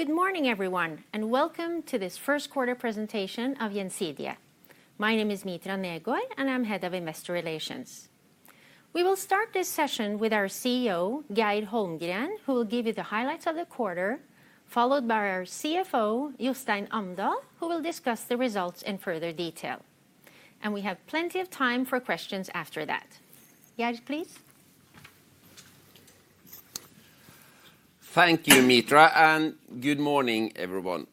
Good morning, everyone, and welcome to this First Quarter Presentation of Gjensidige. My name is Mitra Negård, and I'm Head of Investor Relations. We will start this session with our CEO, Geir Holmgren, who will give you the highlights of the quarter, followed by our CFO, Jostein Amdal, who will discuss the results in further detail. And we have plenty of time for questions after that. Geir, please. Thank you, Mitra, and good morning, everyone.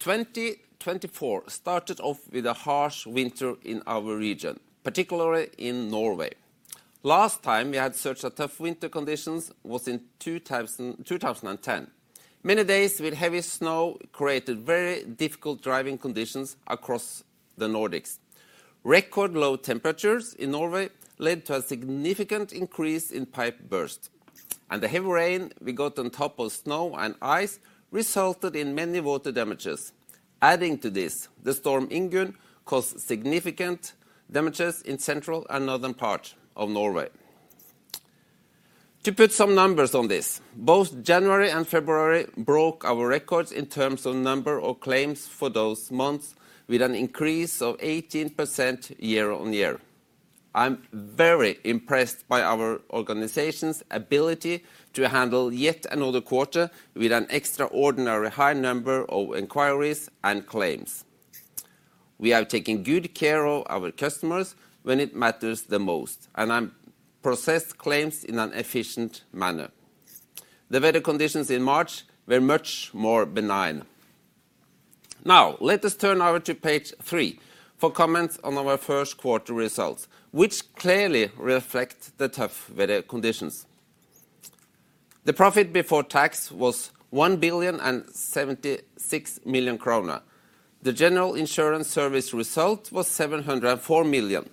2024 started off with a harsh winter in our region, particularly in Norway. Last time we had such tough winter conditions was in 2010. Many days with heavy snow created very difficult driving conditions across the Nordics. Record low temperatures in Norway led to a significant increase in pipe bursts, and the heavy rain we got on top of snow and ice resulted in many water damages. Adding to this, the storm Ingunn caused significant damages in central and northern parts of Norway. To put some numbers on this, both January and February broke our records in terms of number of claims for those months, with an increase of 18% year-on-year. I'm very impressed by our organization's ability to handle yet another quarter with an extraordinary high number of inquiries and claims. We have taken good care of our customers when it matters the most, and I'm processing claims in an efficient manner. The weather conditions in March were much more benign. Now, let us turn over to page three for comments on our first quarter results, which clearly reflect the tough weather conditions. The profit before tax was 1.076 billion. The General Insurance Service Result was 704 million.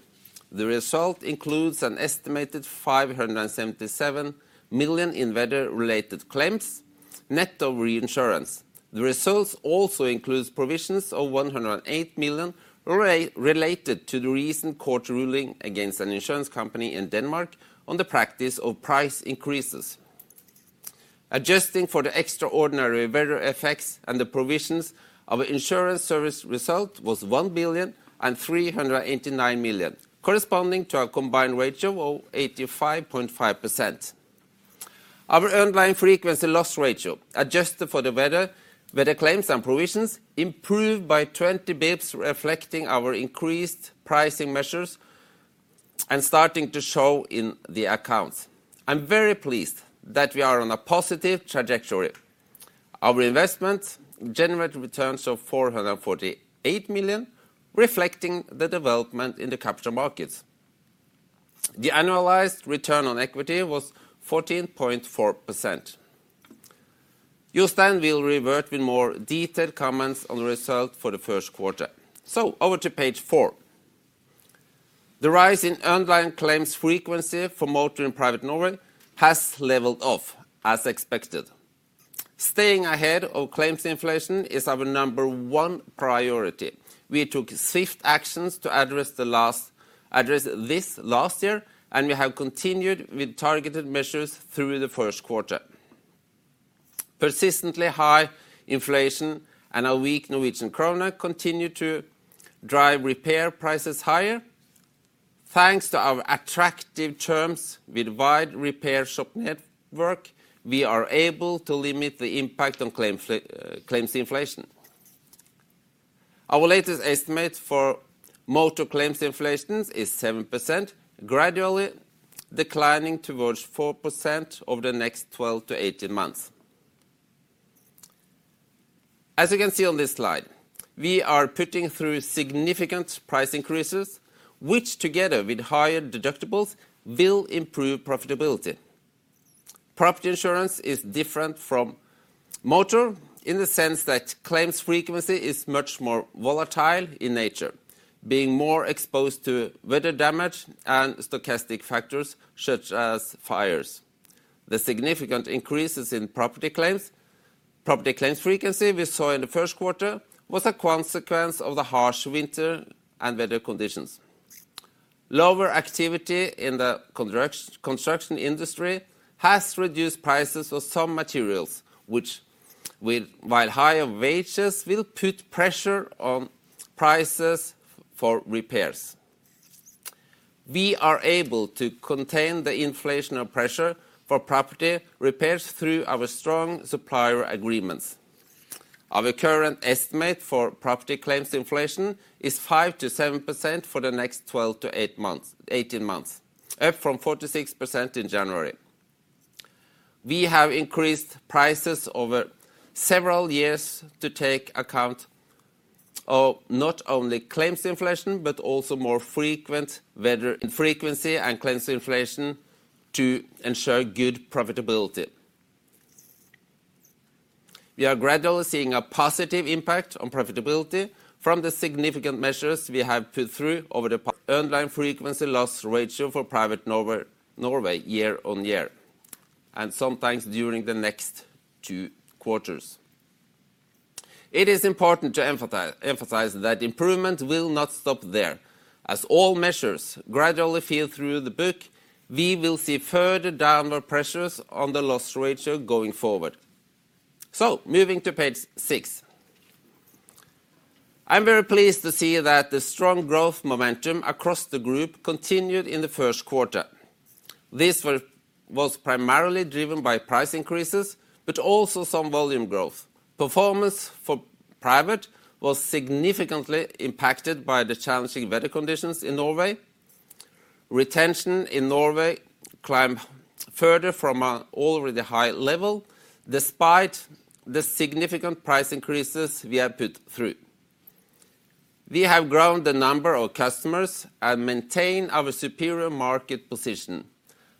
The result includes an estimated 577 million in weather-related claims, net of reinsurance. The results also include provisions of 108 million related to the recent court ruling against an insurance company in Denmark on the practice of price increases. Adjusting for the extraordinary weather effects and the provisions, our insurance service result was 1.389 billion, corresponding to a combined ratio of 85.5%. Our underlying frequency loss ratio, adjusted for the weather claims and provisions, improved by 20 basis points reflecting our increased pricing measures and starting to show in the accounts. I'm very pleased that we are on a positive trajectory. Our investments generated returns of 448 million, reflecting the development in the capital markets. The annualized return on equity was 14.4%. Jostein will revert with more detailed comments on the result for the first quarter. So, over to page four. The rise in underlying claims frequency for motoring private Norway has leveled off, as expected. Staying ahead of claims inflation is our number one priority. We took swift actions to address this last year, and we have continued with targeted measures through the first quarter. Persistently high inflation and a weak Norwegian krone continue to drive repair prices higher. Thanks to our attractive terms with wide repair shop network, we are able to limit the impact on claims inflation. Our latest estimate for motor claims inflation is 7%, gradually declining towards 4% over the next 12-18 months. As you can see on this slide, we are putting through significant price increases, which together with higher deductibles will improve profitability. Property insurance is different from motor in the sense that claims frequency is much more volatile in nature, being more exposed to weather damage and stochastic factors such as fires. The significant increases in property claims frequency we saw in the first quarter was a consequence of the harsh winter and weather conditions. Lower activity in the construction industry has reduced prices of some materials, while higher wages will put pressure on prices for repairs. We are able to contain the inflationary pressure for property repairs through our strong supplier agreements. Our current estimate for property claims inflation is 5%-7% for the next 12-18 months, up from 46% in January. We have increased prices over several years to take account of not only claims inflation but also more frequent weather frequency and claims inflation to ensure good profitability. We are gradually seeing a positive impact on profitability from the significant measures we have put through over the underlying frequency loss ratio for private Norway year-on-year, and sometimes during the next two quarters. It is important to emphasize that improvement will not stop there. As all measures gradually feel through the book, we will see further downward pressures on the loss ratio going forward. So, moving to page six. I'm very pleased to see that the strong growth momentum across the group continued in the first quarter. This was primarily driven by price increases but also some volume growth. Performance for private was significantly impacted by the challenging weather conditions in Norway. Retention in Norway climbed further from an already high level despite the significant price increases we have put through. We have grown the number of customers and maintained our superior market position.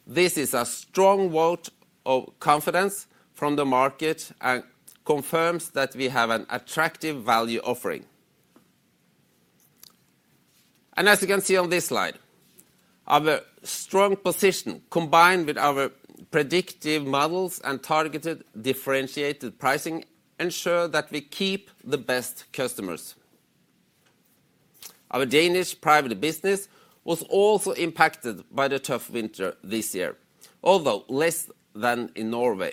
This is a strong vote of confidence from the market and confirms that we have an attractive value offering. As you can see on this slide, our strong position combined with our predictive models and targeted differentiated pricing ensure that we keep the best customers. Our Danish private business was also impacted by the tough winter this year, although less than in Norway.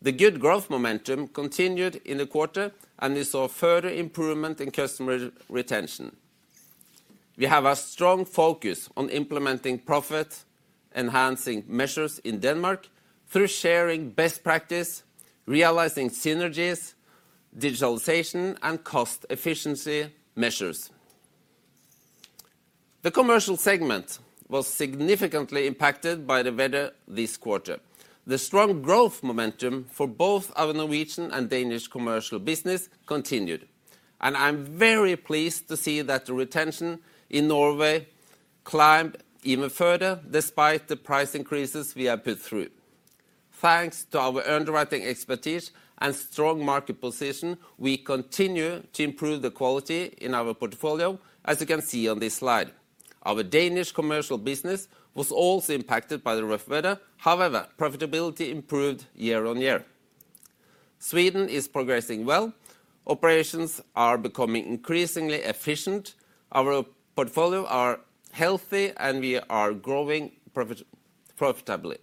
The good growth momentum continued in the quarter, and we saw further improvement in customer retention. We have a strong focus on implementing profit-enhancing measures in Denmark through sharing best practice, realizing synergies, digitalization, and cost efficiency measures. The commercial segment was significantly impacted by the weather this quarter. The strong growth momentum for both our Norwegian and Danish commercial business continued, and I'm very pleased to see that the retention in Norway climbed even further despite the price increases we have put through. Thanks to our underwriting expertise and strong market position, we continue to improve the quality in our portfolio, as you can see on this slide. Our Danish commercial business was also impacted by the rough weather. However, profitability improved year-over-year. Sweden is progressing well. Operations are becoming increasingly efficient. Our portfolio is healthy, and we are growing profitably.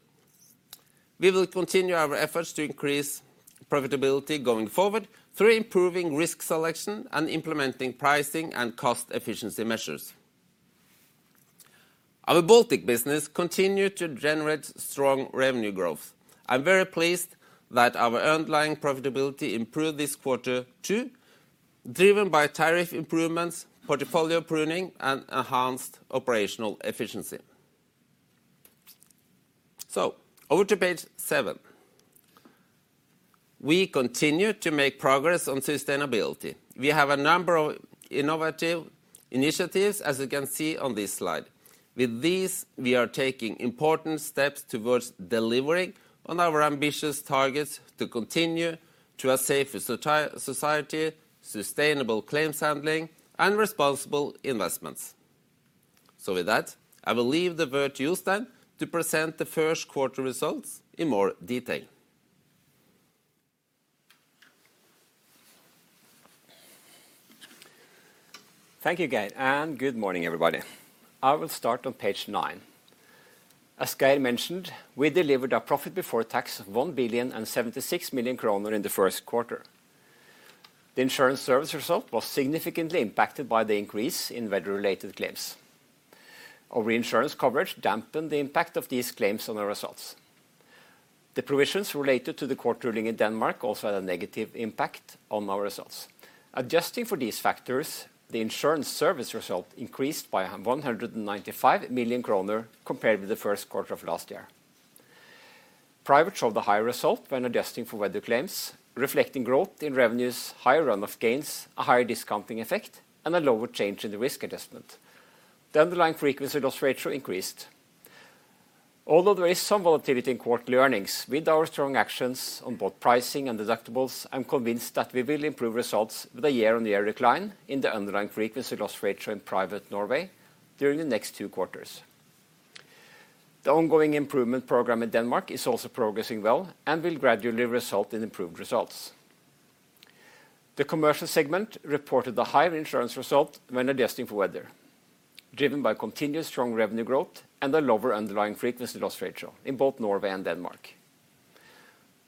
We will continue our efforts to increase profitability going forward through improving risk selection and implementing pricing and cost efficiency measures. Our Baltic business continues to generate strong revenue growth. I'm very pleased that our underlying profitability improved this quarter too, driven by tariff improvements, portfolio pruning, and enhanced operational efficiency. So, over to page seven. We continue to make progress on sustainability. We have a number of innovative initiatives, as you can see on this slide. With these, we are taking important steps towards delivering on our ambitious targets to continue to a safer society, sustainable claims handling, and responsible investments. So with that, I will leave the word to Jostein to present the first quarter results in more detail. Thank you, Geir, and good morning, everybody. I will start on page 9. As Geir mentioned, we delivered a profit before tax of 1.076 billion in the first quarter. The insurance service result was significantly impacted by the increase in weather-related claims. Our reinsurance coverage dampened the impact of these claims on our results. The provisions related to the court ruling in Denmark also had a negative impact on our results. Adjusting for these factors, the insurance service result increased by 195 million kroner compared with the first quarter of last year. Private showed a higher result when adjusting for weather claims, reflecting growth in revenues, higher run-off gains, a higher discounting effect, and a lower change in the risk adjustment. The underlying frequency loss ratio increased. Although there is some volatility in quarterly earnings, with our strong actions on both pricing and deductibles, I'm convinced that we will improve results with a year-on-year decline in the underlying frequency loss ratio in private Norway during the next two quarters. The ongoing improvement program in Denmark is also progressing well and will gradually result in improved results. The commercial segment reported a higher insurance result when adjusting for weather, driven by continued strong revenue growth and a lower underlying frequency loss ratio in both Norway and Denmark.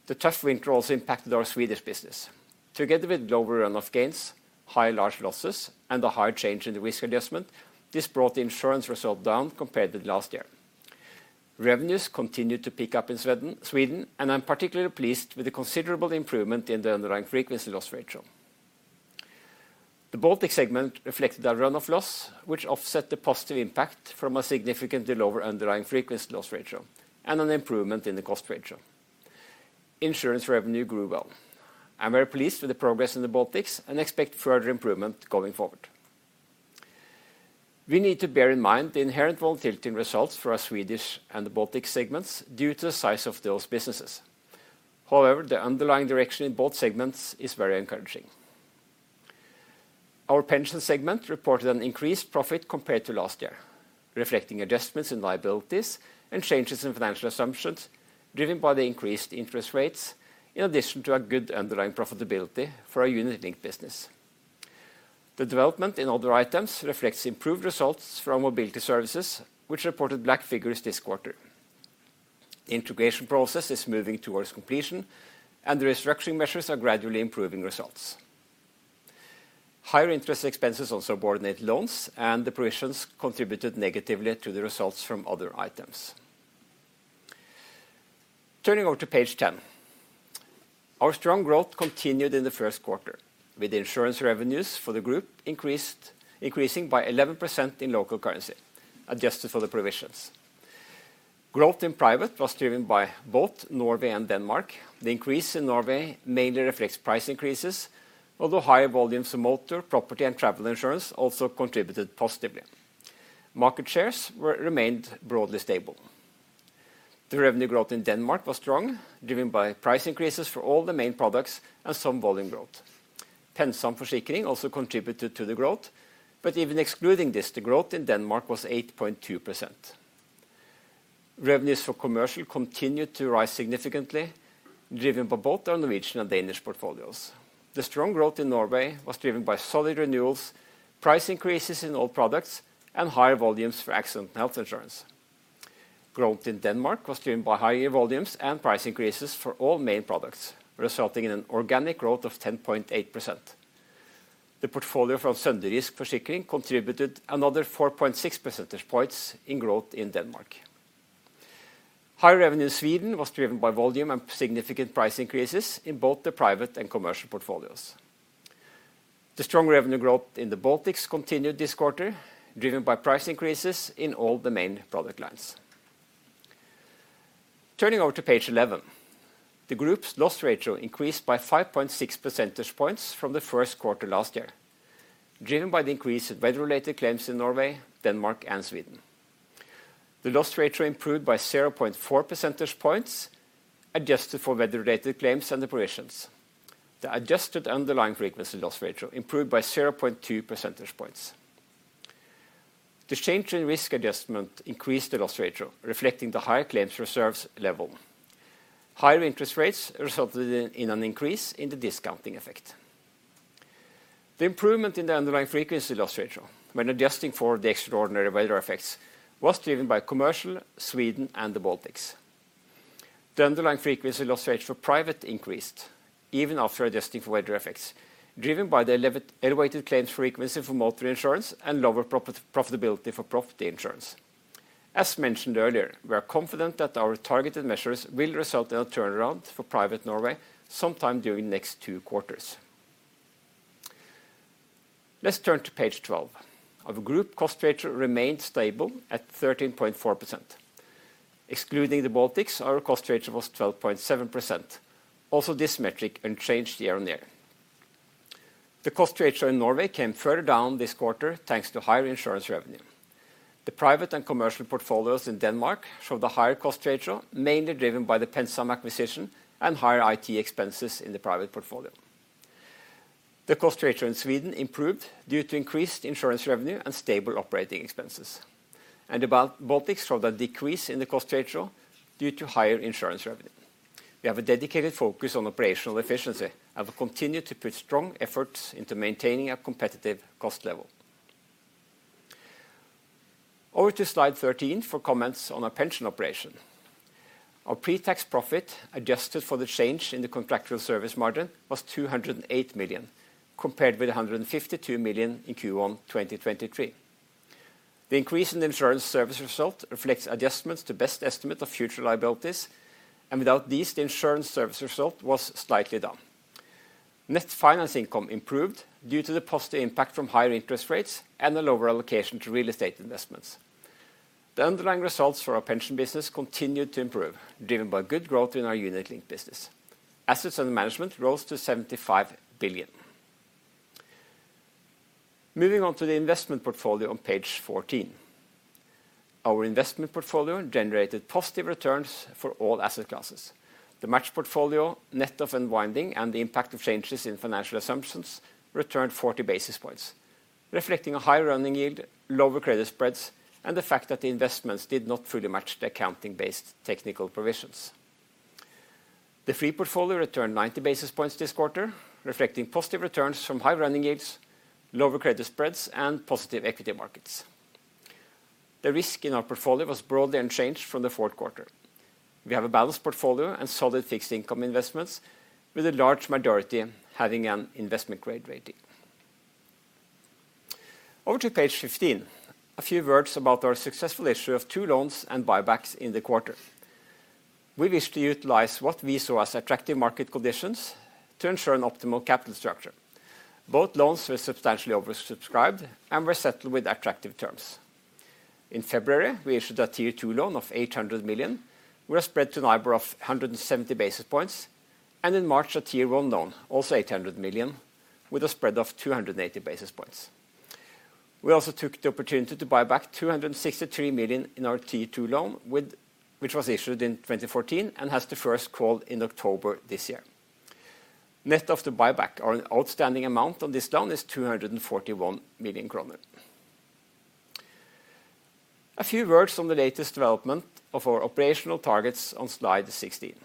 The tough winter also impacted our Swedish business. Together with lower run-off gains, higher large losses, and a higher change in the risk adjustment, this brought the insurance result down compared with last year. Revenues continued to pick up in Sweden, and I'm particularly pleased with the considerable improvement in the underlying frequency loss ratio. The Baltic segment reflected a run-off loss, which offset the positive impact from a significantly lower underlying frequency loss ratio and an improvement in the cost ratio. Insurance revenue grew well. I'm very pleased with the progress in the Baltics and expect further improvement going forward. We need to bear in mind the inherent volatility in results for our Swedish and Baltic segments due to the size of those businesses. However, the underlying direction in both segments is very encouraging. Our pension segment reported an increased profit compared to last year, reflecting adjustments in liabilities and changes in financial assumptions driven by the increased interest rates, in addition to a good underlying profitability for our unit-linked business. The development in other items reflects improved results from mobility services, which reported black figures this quarter. The integration process is moving towards completion, and the restructuring measures are gradually improving results. Higher interest expenses on subordinate loans, and the provisions contributed negatively to the results from other items. Turning over to page 10. Our strong growth continued in the first quarter, with insurance revenues for the group increasing by 11% in local currency, adjusted for the provisions. Growth in private was driven by both Norway and Denmark. The increase in Norway mainly reflects price increases, although higher volumes of motor, property, and travel insurance also contributed positively. Market shares remained broadly stable. The revenue growth in Denmark was strong, driven by price increases for all the main products and some volume growth. PenSam Forsikring also contributed to the growth, but even excluding this, the growth in Denmark was 8.2%. Revenues for commercial continued to rise significantly, driven by both our Norwegian and Danish portfolios. The strong growth in Norway was driven by solid renewals, price increases in all products, and higher volumes for accident and health insurance. Growth in Denmark was driven by higher volumes and price increases for all main products, resulting in an organic growth of 10.8%. The portfolio from Sønderjysk Forsikring contributed another 4.6 percentage points in growth in Denmark. High revenue in Sweden was driven by volume and significant price increases in both the private and commercial portfolios. The strong revenue growth in the Baltics continued this quarter, driven by price increases in all the main product lines. Turning over to page 11. The Group's loss ratio increased by 5.6 percentage points from the first quarter last year, driven by the increase in weather-related claims in Norway, Denmark, and Sweden. The loss ratio improved by 0.4 percentage points, adjusted for weather-related claims and the provisions. The adjusted underlying frequency loss ratio improved by 0.2 percentage points. The change in risk adjustment increased the loss ratio, reflecting the higher claims reserves level. Higher interest rates resulted in an increase in the discounting effect. The improvement in the underlying frequency loss ratio when adjusting for the extraordinary weather effects was driven by commercial, Sweden, and the Baltics. The underlying frequency loss ratio for private increased, even after adjusting for weather effects, driven by the elevated claims frequency for motor insurance and lower profitability for property insurance. As mentioned earlier, we are confident that our targeted measures will result in a turnaround for private Norway sometime during the next two quarters. Let's turn to page 12. Our group cost ratio remained stable at 13.4%. Excluding the Baltics, our cost ratio was 12.7%, also dynamic and changed year-on-year. The cost ratio in Norway came further down this quarter thanks to higher insurance revenue. The private and commercial portfolios in Denmark showed a higher cost ratio, mainly driven by the PenSam acquisition and higher IT expenses in the private portfolio. The cost ratio in Sweden improved due to increased insurance revenue and stable operating expenses, and the Baltics showed a decrease in the cost ratio due to higher insurance revenue. We have a dedicated focus on operational efficiency and will continue to put strong efforts into maintaining a competitive cost level. Over to Slide 13 for comments on our pension operation. Our pretax profit adjusted for the change in the contractual service margin was 208 million compared with 152 million in Q1 2023. The increase in the insurance service result reflects adjustments to best estimate of future liabilities, and without these, the insurance service result was slightly down. Net finance income improved due to the positive impact from higher interest rates and a lower allocation to real estate investments. The underlying results for our pension business continued to improve, driven by good growth in our unit-linked business. Assets and management rose to 75 billion. Moving on to the investment portfolio on page 14. Our investment portfolio generated positive returns for all asset classes. The match portfolio, net of unwinding, and the impact of changes in financial assumptions returned 40 basis points, reflecting a higher running yield, lower credit spreads, and the fact that the investments did not fully match the accounting-based technical provisions. The free portfolio returned 90 basis points this quarter, reflecting positive returns from high running yields, lower credit spreads, and positive equity markets. The risk in our portfolio was broadly unchanged from the fourth quarter. We have a balanced portfolio and solid fixed income investments, with a large majority having an investment-grade rating. Over to page 15. A few words about our successful issue of two loans and buybacks in the quarter. We wished to utilize what we saw as attractive market conditions to ensure an optimal capital structure. Both loans were substantially oversubscribed and were settled with attractive terms. In February, we issued a Tier 2 loan of 800 million, with a spread to NIBOR of 170 basis points, and in March, a Tier 1 loan, also 800 million, with a spread of 280 basis points. We also took the opportunity to buy back 263 million in our Tier 2 loan, which was issued in 2014 and has the first call in October this year. Net of the buyback, our outstanding amount on this loan is 241 million kroner. A few words on the latest development of our operational targets on Slide 16.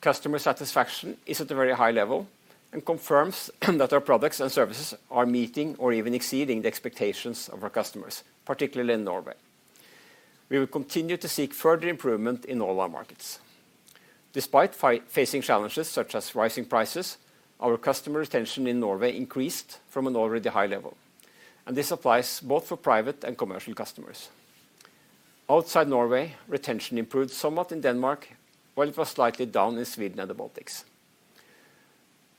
Customer satisfaction is at a very high level and confirms that our products and services are meeting or even exceeding the expectations of our customers, particularly in Norway. We will continue to seek further improvement in all our markets. Despite facing challenges such as rising prices, our customer retention in Norway increased from an already high level, and this applies both for private and commercial customers. Outside Norway, retention improved somewhat in Denmark, while it was slightly down in Sweden and the Baltics.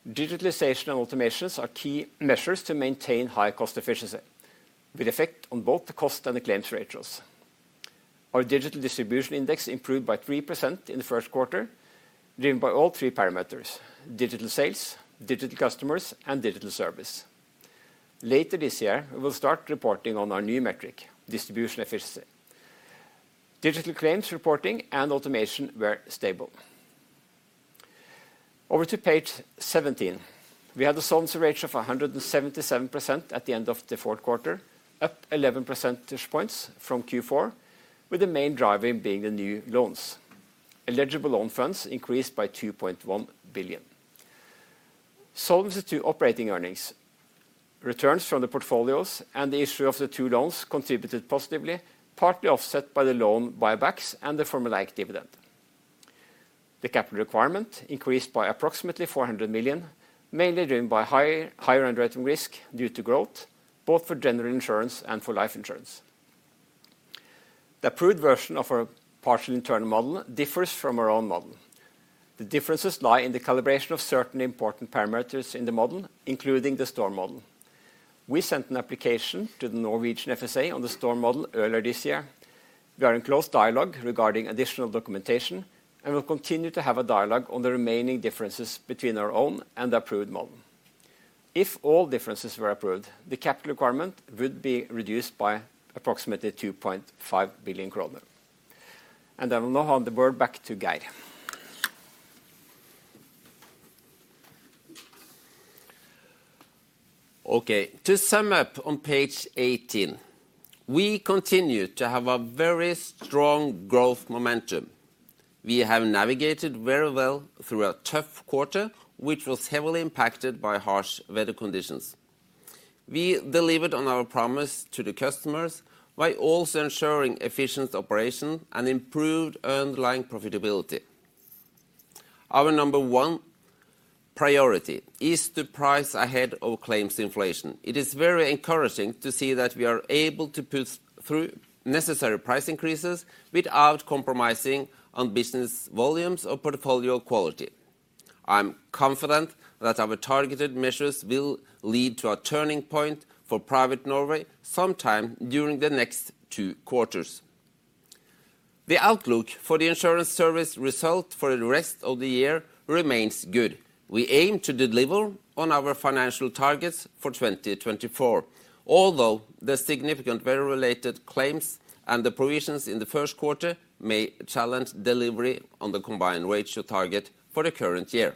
Digitalization and automations are key measures to maintain high cost efficiency, with effect on both the cost and the claims ratios. Our digital distribution index improved by 3% in the first quarter, driven by all three parameters: digital sales, digital customers, and digital service. Later this year, we will start reporting on our new metric, distribution efficiency. Digital claims reporting and automation were stable. Over to page 17. We had a solvency rate of 177% at the end of the fourth quarter, up 11 percentage points from Q4, with the main driver being the new loans. Eligible loan funds increased by 2.1 billion. Solvency II operating earnings. Returns from the portfolios and the issue of the two loans contributed positively, partly offset by the loan buybacks and the formulaic dividend. The capital requirement increased by approximately 400 million, mainly driven by higher underwriting risk due to growth, both for general insurance and for life insurance. The approved version of our partial internal model differs from our own model. The differences lie in the calibration of certain important parameters in the model, including the STORM model. We sent an application to the Norwegian FSA on the STORM model earlier this year. We are in close dialogue regarding additional documentation and will continue to have a dialogue on the remaining differences between our own and the approved model. If all differences were approved, the capital requirement would be reduced by approximately 2.5 billion kroner. I will now hand the word back to Geir. Okay, to sum up on page 18. We continue to have a very strong growth momentum. We have navigated very well through a tough quarter, which was heavily impacted by harsh weather conditions. We delivered on our promise to the customers by also ensuring efficient operation and improved underlying profitability. Our number one priority is to price ahead of claims inflation. It is very encouraging to see that we are able to put through necessary price increases without compromising on business volumes or portfolio quality. I'm confident that our targeted measures will lead to a turning point for private Norway sometime during the next two quarters. The outlook for the insurance service result for the rest of the year remains good. We aim to deliver on our financial targets for 2024, although the significant weather-related claims and the provisions in the first quarter may challenge delivery on the combined ratio target for the current year.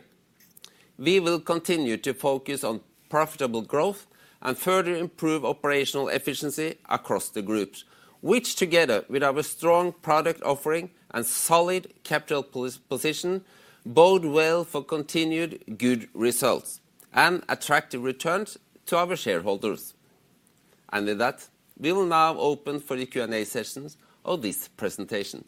We will continue to focus on profitable growth and further improve operational efficiency across the groups, which together with our strong product offering and solid capital position bode well for continued good results and attractive returns to our shareholders. With that, we will now open for the Q&A sessions of this presentation.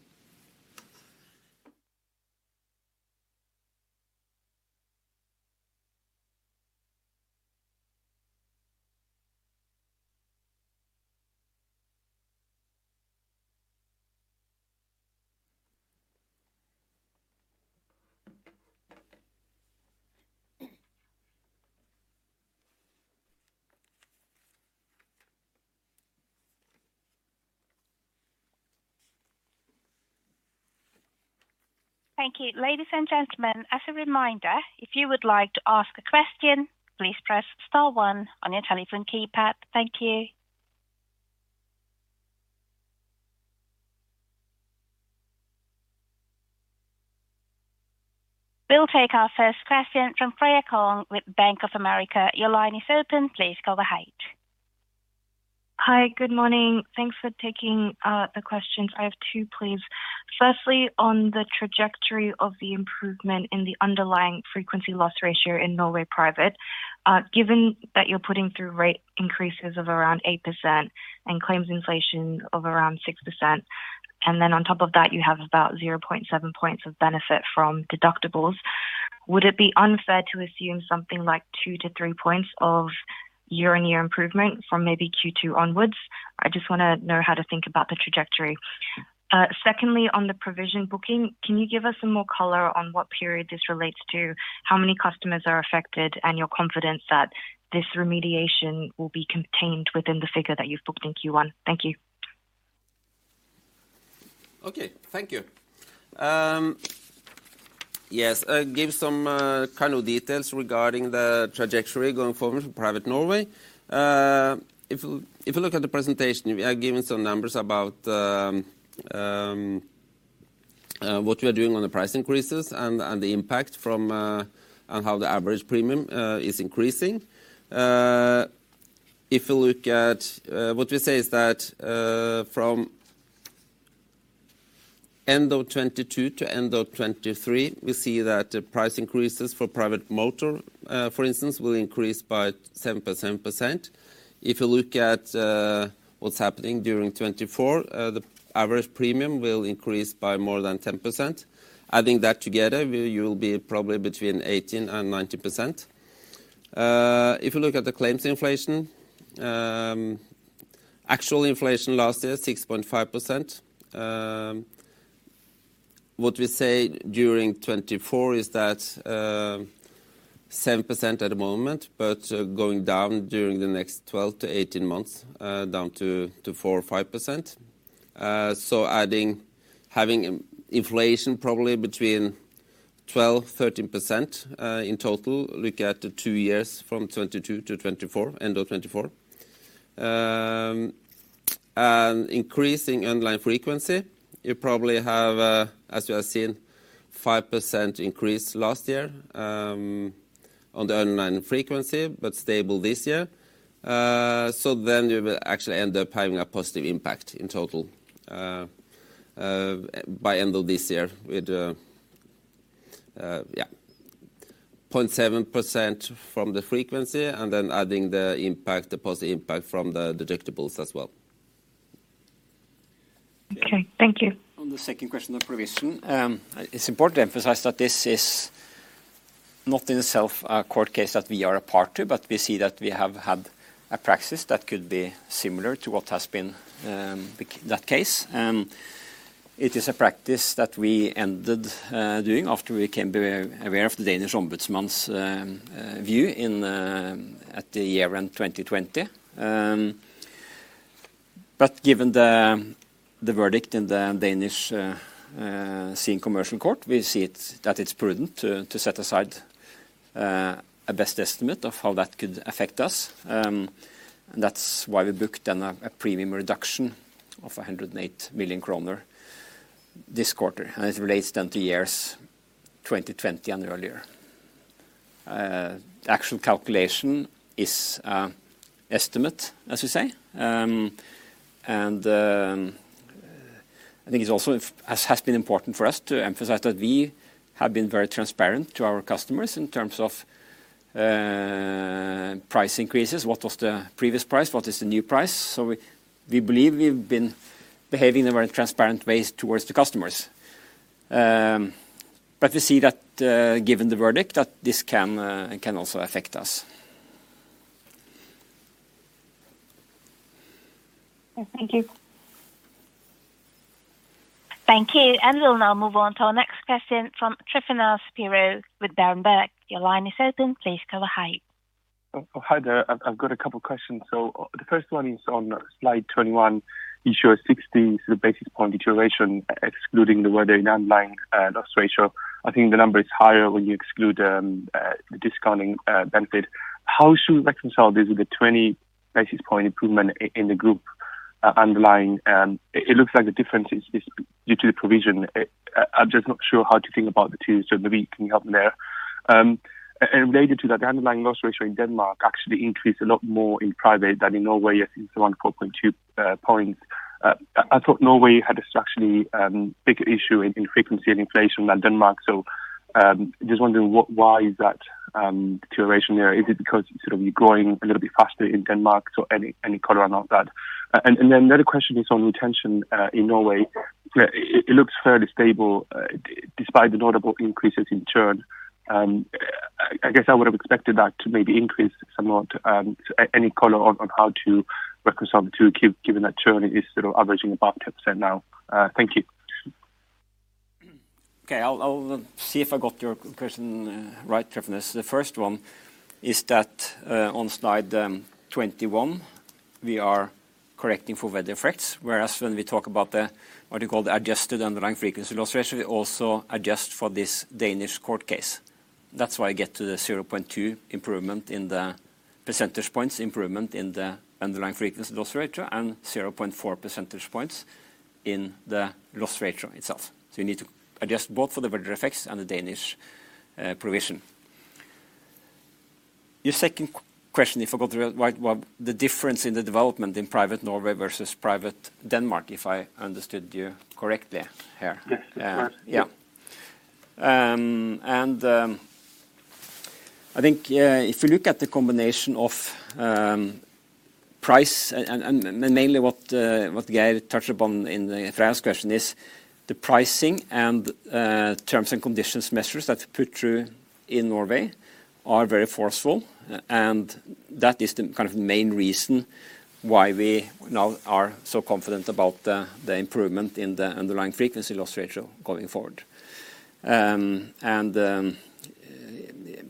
Thank you. Ladies and gentlemen, as a reminder, if you would like to ask a question, please press star one on your telephone keypad. Thank you. We'll take our first question from Freya Kong with Bank of America. Your line is open. Please go ahead. Hi, good morning. Thanks for taking the questions. I have two, please. Firstly, on the trajectory of the improvement in the underlying frequency loss ratio in Norway private, given that you're putting through rate increases of around 8% and claims inflation of around 6%, and then on top of that, you have about 0.7 points of benefit from deductibles, would it be unfair to assume something like 2-3 points of year-on-year improvement from maybe Q2 onwards? I just want to know how to think about the trajectory. Secondly, on the provision booking, can you give us some more color on what period this relates to, how many customers are affected, and your confidence that this remediation will be contained within the figure that you've booked in Q1? Thank you. Okay, thank you. Yes, I gave some kind of details regarding the trajectory going forward for private Norway. If you look at the presentation, we are given some numbers about what we are doing on the price increases and the impact from and how the average premium is increasing. If you look at what we say is that from end of 2022 to end of 2023, we see that the price increases for private motor, for instance, will increase by 7%. If you look at what's happening during 2024, the average premium will increase by more than 10%. Adding that together, you will be probably between 18% and 19%. If you look at the claims inflation, actual inflation last year, 6.5%. What we say during 2024 is that 7% at the moment, but going down during the next 12 to 18 months, down to 4% or 5%. So having inflation probably between 12%-13% in total, look at the two years from 2022 to 2024, end of 2024. And increasing underlying frequency, you probably have, as you have seen, 5% increase last year on the underlying frequency, but stable this year. So then you will actually end up having a positive impact in total by end of this year with 0.7% from the frequency and then adding the positive impact from the deductibles as well. Okay, thank you. On the second question on provision, it's important to emphasize that this is not in itself a court case that we are a part to, but we see that we have had a practice that could be similar to what has been that case. It is a practice that we ended doing after we became aware of the Danish Ombudsman's view at the year-end 2020. But given the verdict in the Danish Maritime and Commercial Court, we see that it's prudent to set aside a best estimate of how that could affect us. And that's why we booked then a premium reduction of 108 million kroner this quarter. And it relates then to years 2020 and earlier. The actual calculation is an estimate, as we say. And I think it also has been important for us to emphasize that we have been very transparent to our customers in terms of price increases. What was the previous price? What is the new price? We believe we've been behaving in a very transparent way towards the customers. But we see that, given the verdict, that this can also affect us. Thank you. Thank you. We'll now move on to our next question from Tryfonas Spyrou with Berenberg. Your line is open. Please go ahead. Hi there. I've got a couple of questions. So the first one is on Slide 21. You show a 60 basis point deterioration, excluding the weather in underlying loss ratio. I think the number is higher when you exclude the discounting benefit. How should we reconcile this with the 20 basis point improvement in the group underlying? It looks like the difference is due to the provision. I'm just not sure how to think about the two. So maybe you can help me there. And related to that, the underlying loss ratio in Denmark actually increased a lot more in private than in Norway, as in some 4.2 points. I thought Norway had a structurally bigger issue in frequency and inflation than Denmark. So I'm just wondering why is that deterioration there? Is it because you're growing a little bit faster in Denmark or any color on that? Then another question is on retention in Norway. It looks fairly stable despite the notable increases in churn. I guess I would have expected that to maybe increase somewhat. Any color on how to reconcile the two, given that churn is averaging above 10% now? Thank you. Okay, I'll see if I got your question right, Tryfonas. The first one is that on Slide 21, we are correcting for weather effects, whereas when we talk about what you call the adjusted underlying frequency loss ratio, we also adjust for this Danish court case. That's why you get to the 0.2 improvement in the percentage points improvement in the underlying frequency loss ratio and 0.4 percentage points in the loss ratio itself. So you need to adjust both for the weather effects and the Danish provision. Your second question, if I got the right one, the difference in the development in private Norway versus private Denmark, if I understood you correctly here. Yes, that's right. Yeah. And I think if you look at the combination of price and mainly what Geir touched upon in the first question is the pricing and terms and conditions measures that we put through in Norway are very forceful. And that is the kind of main reason why we now are so confident about the improvement in the underlying frequency loss ratio going forward. And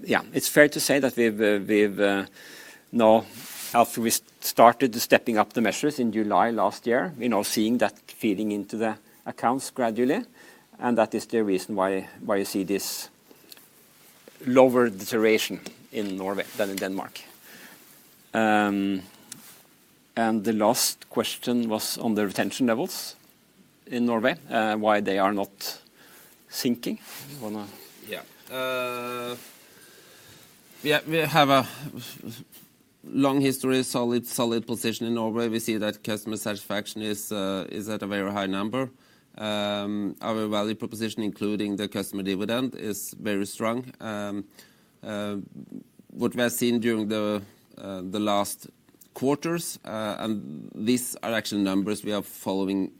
yeah, it's fair to say that we've now, after we started stepping up the measures in July last year, we're now seeing that feeding into the accounts gradually. And that is the reason why you see this lower deterioration in Norway than in Denmark. And the last question was on the retention levels in Norway, why they are not sinking. You want to? Yeah. We have a long history, solid position in Norway. We see that customer satisfaction is at a very high number. Our value proposition, including the customer dividend, is very strong. What we have seen during the last quarters, and these are actually numbers we are following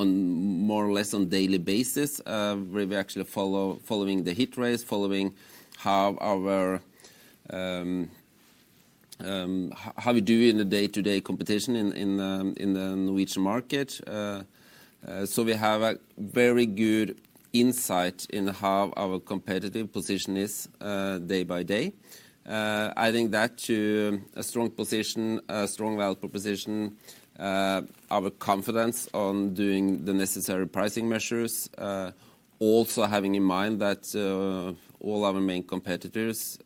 more or less on a daily basis, where we're actually following the hit rates, following how we do in the day-to-day competition in the Norwegian market. So we have a very good insight in how our competitive position is day by day. Adding that to a strong position, a strong value proposition, our confidence on doing the necessary pricing measures, also having in mind that all our main competitors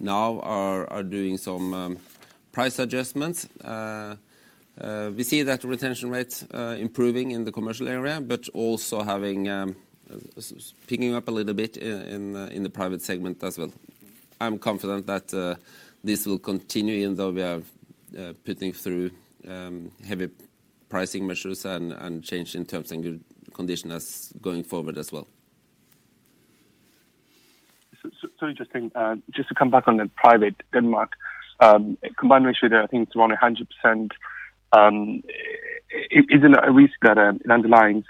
now are doing some price adjustments. We see that retention rates improving in the commercial area, but also picking up a little bit in the private segment as well. I'm confident that this will continue, even though we are putting through heavy pricing measures and change in terms and conditions going forward as well. So interesting. Just to come back on the P&C Denmark, combined ratio there, I think it's around 100%. Isn't it a risk that an underlying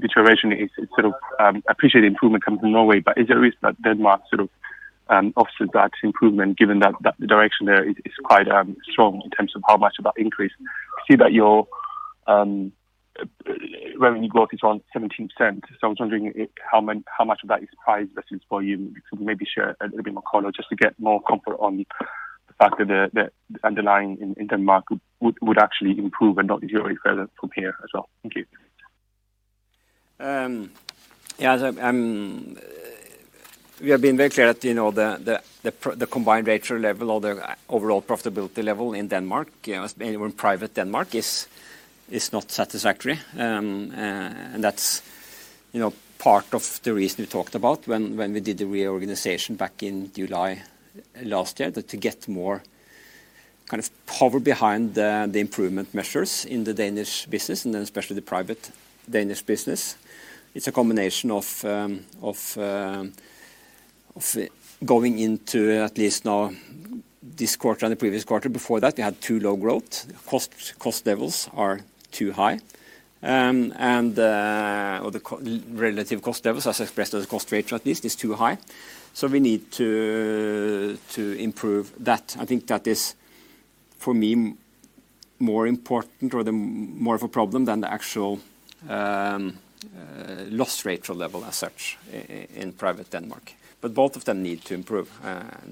deterioration is sort of appreciated improvement comes from Norway? But is it a risk that Denmark sort of offsets that improvement, given that the direction there is quite strong in terms of how much of that increase? I see that your revenue growth is around 17%. So I was wondering how much of that is price versus volume. So maybe share a little bit more color just to get more comfort on the fact that the underlying in Denmark would actually improve and not deteriorate further from here as well. Thank you. Yeah, we have been very clear that the combined ratio level or the overall profitability level in private Denmark is not satisfactory. And that's part of the reason we talked about when we did the reorganization back in July last year, to get more kind of power behind the improvement measures in the Danish business and then especially the private Danish business. It's a combination of going into at least now this quarter and the previous quarter. Before that, we had too low growth. Cost levels are too high. And the relative cost levels, as expressed as a cost ratio at least, is too high. So we need to improve that. I think that is, for me, more important or more of a problem than the actual loss ratio level as such in private Denmark. But both of them need to improve.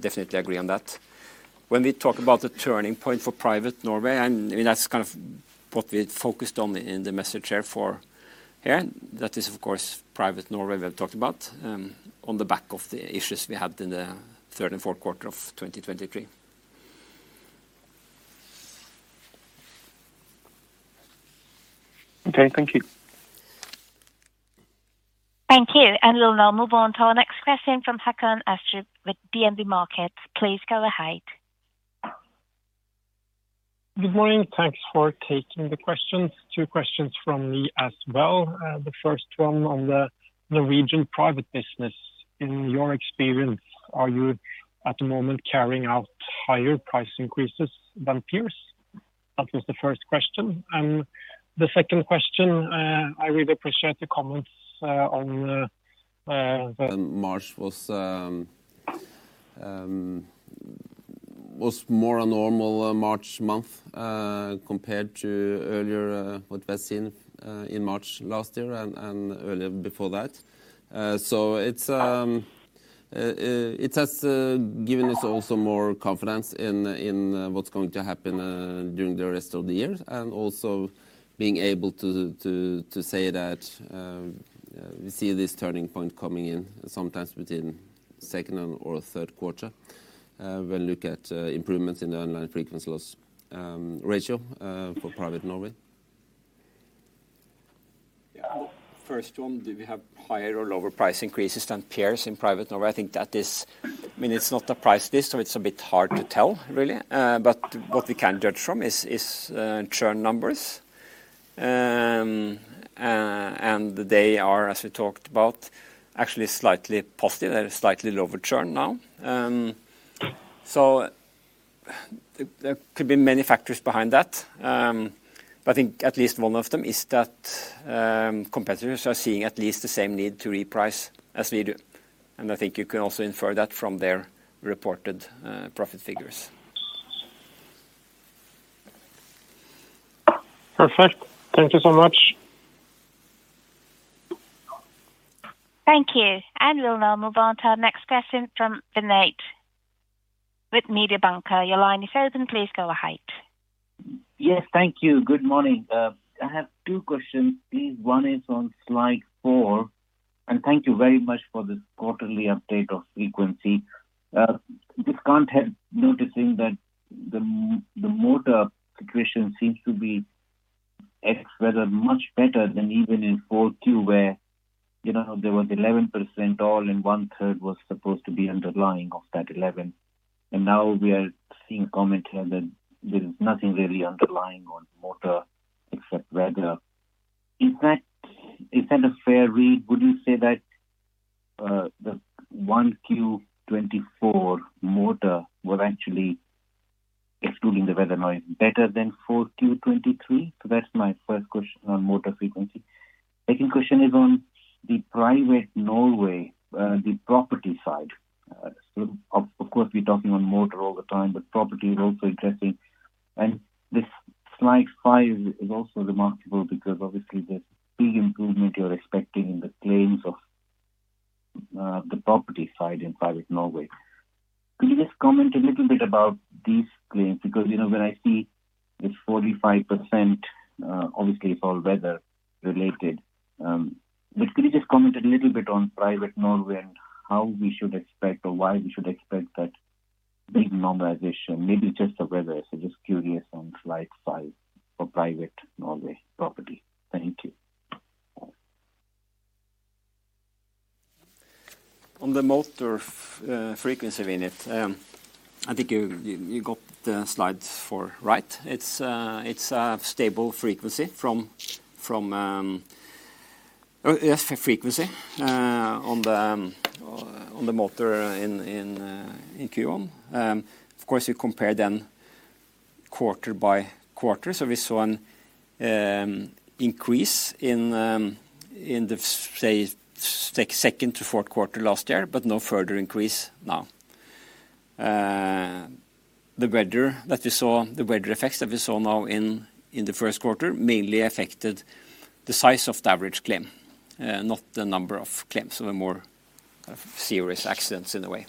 Definitely agree on that. When we talk about the turning point for private Norway, and that's kind of what we focused on in the message here for here, that is, of course, private Norway we have talked about on the back of the issues we had in the third and fourth quarter of 2023. Okay, thank you. Thank you. We'll now move on to our next question from Håkon Astrup with DNB Markets. Please go ahead. Good morning. Thanks for taking the questions. 2 questions from me as well. The first one on the Norwegian private business. In your experience, are you at the moment carrying out higher price increases than peers? That was the first question. And the second question, I really appreciate the comments on the. March was more a normal March month compared to earlier what we had seen in March last year and earlier before that. So it has given us also more confidence in what's going to happen during the rest of the year and also being able to say that we see this turning point coming in sometimes between second or third quarter when we look at improvements in the underlying frequency loss ratio for private Norway. Yeah, the first one, do we have higher or lower price increases than peers in private Norway? I think that is, I mean, it's not a price list, so it's a bit hard to tell, really. But what we can judge from is churn numbers. And they are, as we talked about, actually slightly positive. They're slightly lower churn now. So there could be many factors behind that. But I think at least one of them is that competitors are seeing at least the same need to reprice as we do. And I think you can also infer that from their reported profit figures. Perfect. Thank you so much. Thank you. We'll now move on to our next question from Vinit with Mediobanca. Your line is open. Please go ahead. Yes, thank you. Good morning. I have two questions, please. One is on Slide 4. And thank you very much for this quarterly update of frequency. Discounting headwinds, noticing that the motor situation seems to be much better than even in 4Q 2023, where there was 11% y-o-y and one-third was supposed to be underlying of that 11. And now we are seeing comment here that there is nothing really underlying on motor except weather. Is that a fair read? Would you say that the 1Q 2024 motor was actually excluding the weather noise better than 4Q 2023? So that's my first question on motor frequency. Second question is on the private Norway, the property side. Of course, we're talking on motor all the time, but property is also interesting. This Slide 5 is also remarkable because, obviously, there's big improvement you're expecting in the claims of the property side in private Norway. Could you just comment a little bit about these claims? Because when I see this 45%, obviously, it's all weather-related. But could you just comment a little bit on private Norway and how we should expect or why we should expect that big normalization, maybe just the weather? So just curious on Slide 5 for private Norway property. Thank you. On the motor frequency in it, I think you got the slides right. It's a stable frequency, yes, frequency on the motor in Q1. Of course, you compare them quarter by quarter. So we saw an increase in the second to fourth quarter last year, but no further increase now. The weather that we saw, the weather effects that we saw now in the first quarter mainly affected the size of the average claim, not the number of claims. So they're more kind of serious accidents in a way.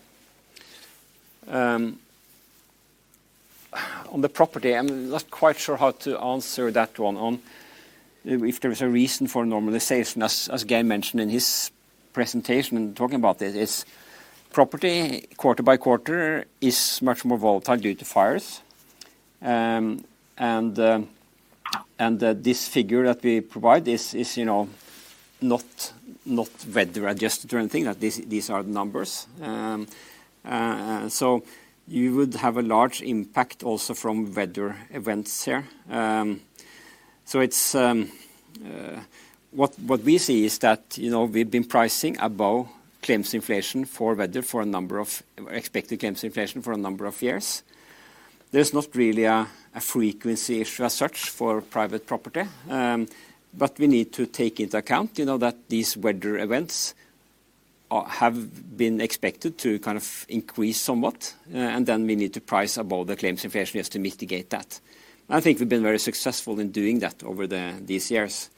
On the property, I'm not quite sure how to answer that one. If there is a reason for normalization, as Geir mentioned in his presentation and talking about this, property quarter by quarter is much more volatile due to fires. This figure that we provide is not weather-adjusted or anything. These are the numbers. So you would have a large impact also from weather events here. So what we see is that we've been pricing above claims inflation for weather for a number of expected claims inflation for a number of years. There's not really a frequency issue as such for private property. But we need to take into account that these weather events have been expected to kind of increase somewhat. And then we need to price above the claims inflation just to mitigate that. And I think we've been very successful in doing that over these years.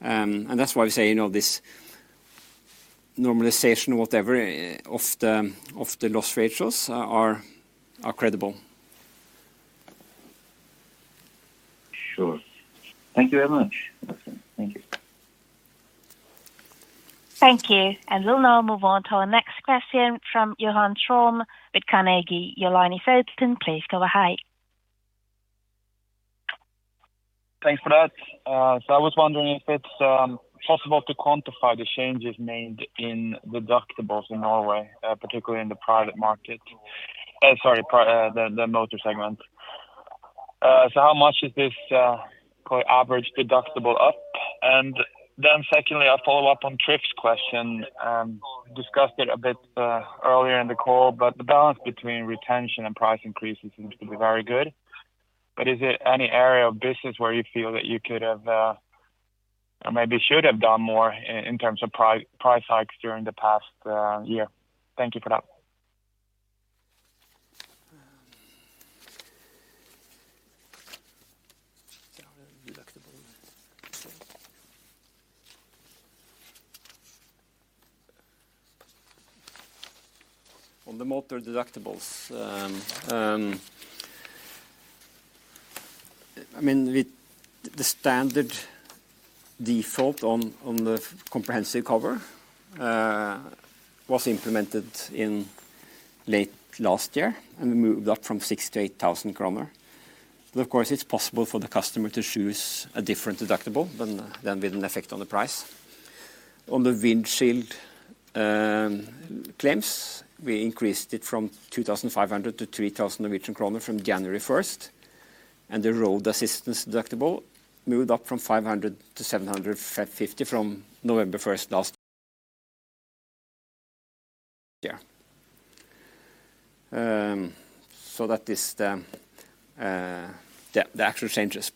And that's why we say this normalization or whatever of the loss ratios are credible. Sure. Thank you very much. Thank you. Thank you. We'll now move on to our next question from Johan Ström with Carnegie. Your line is open. Please go ahead. Thanks for that. So I was wondering if it's possible to quantify the changes made in deductibles in Norway, particularly in the private market sorry, the motor segment. So how much is this average deductible up? And then secondly, I'll follow up on Triff's question. Discussed it a bit earlier in the call, but the balance between retention and price increases seems to be very good. But is there any area of business where you feel that you could have or maybe should have done more in terms of price hikes during the past year? Thank you for that. On the motor deductibles, I mean, the standard default on the comprehensive cover was implemented in late last year, and we moved up from 6,000-8,000 kroner. But of course, it's possible for the customer to choose a different deductible than with an effect on the price. On the windshield claims, we increased it from 2,500-3,000 Norwegian kroner from January 1. And the road assistance deductible moved up from 500-750 from November 1 last year. So that is the actual changes.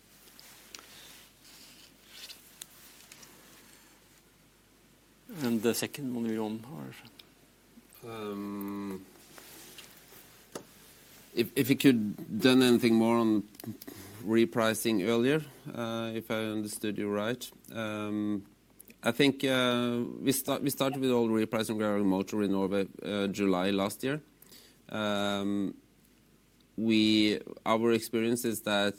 And the second one, yohan. If you could have done anything more on repricing earlier, if I understood you right. I think we started with all repricing of car motor in Norway July last year. Our experience is that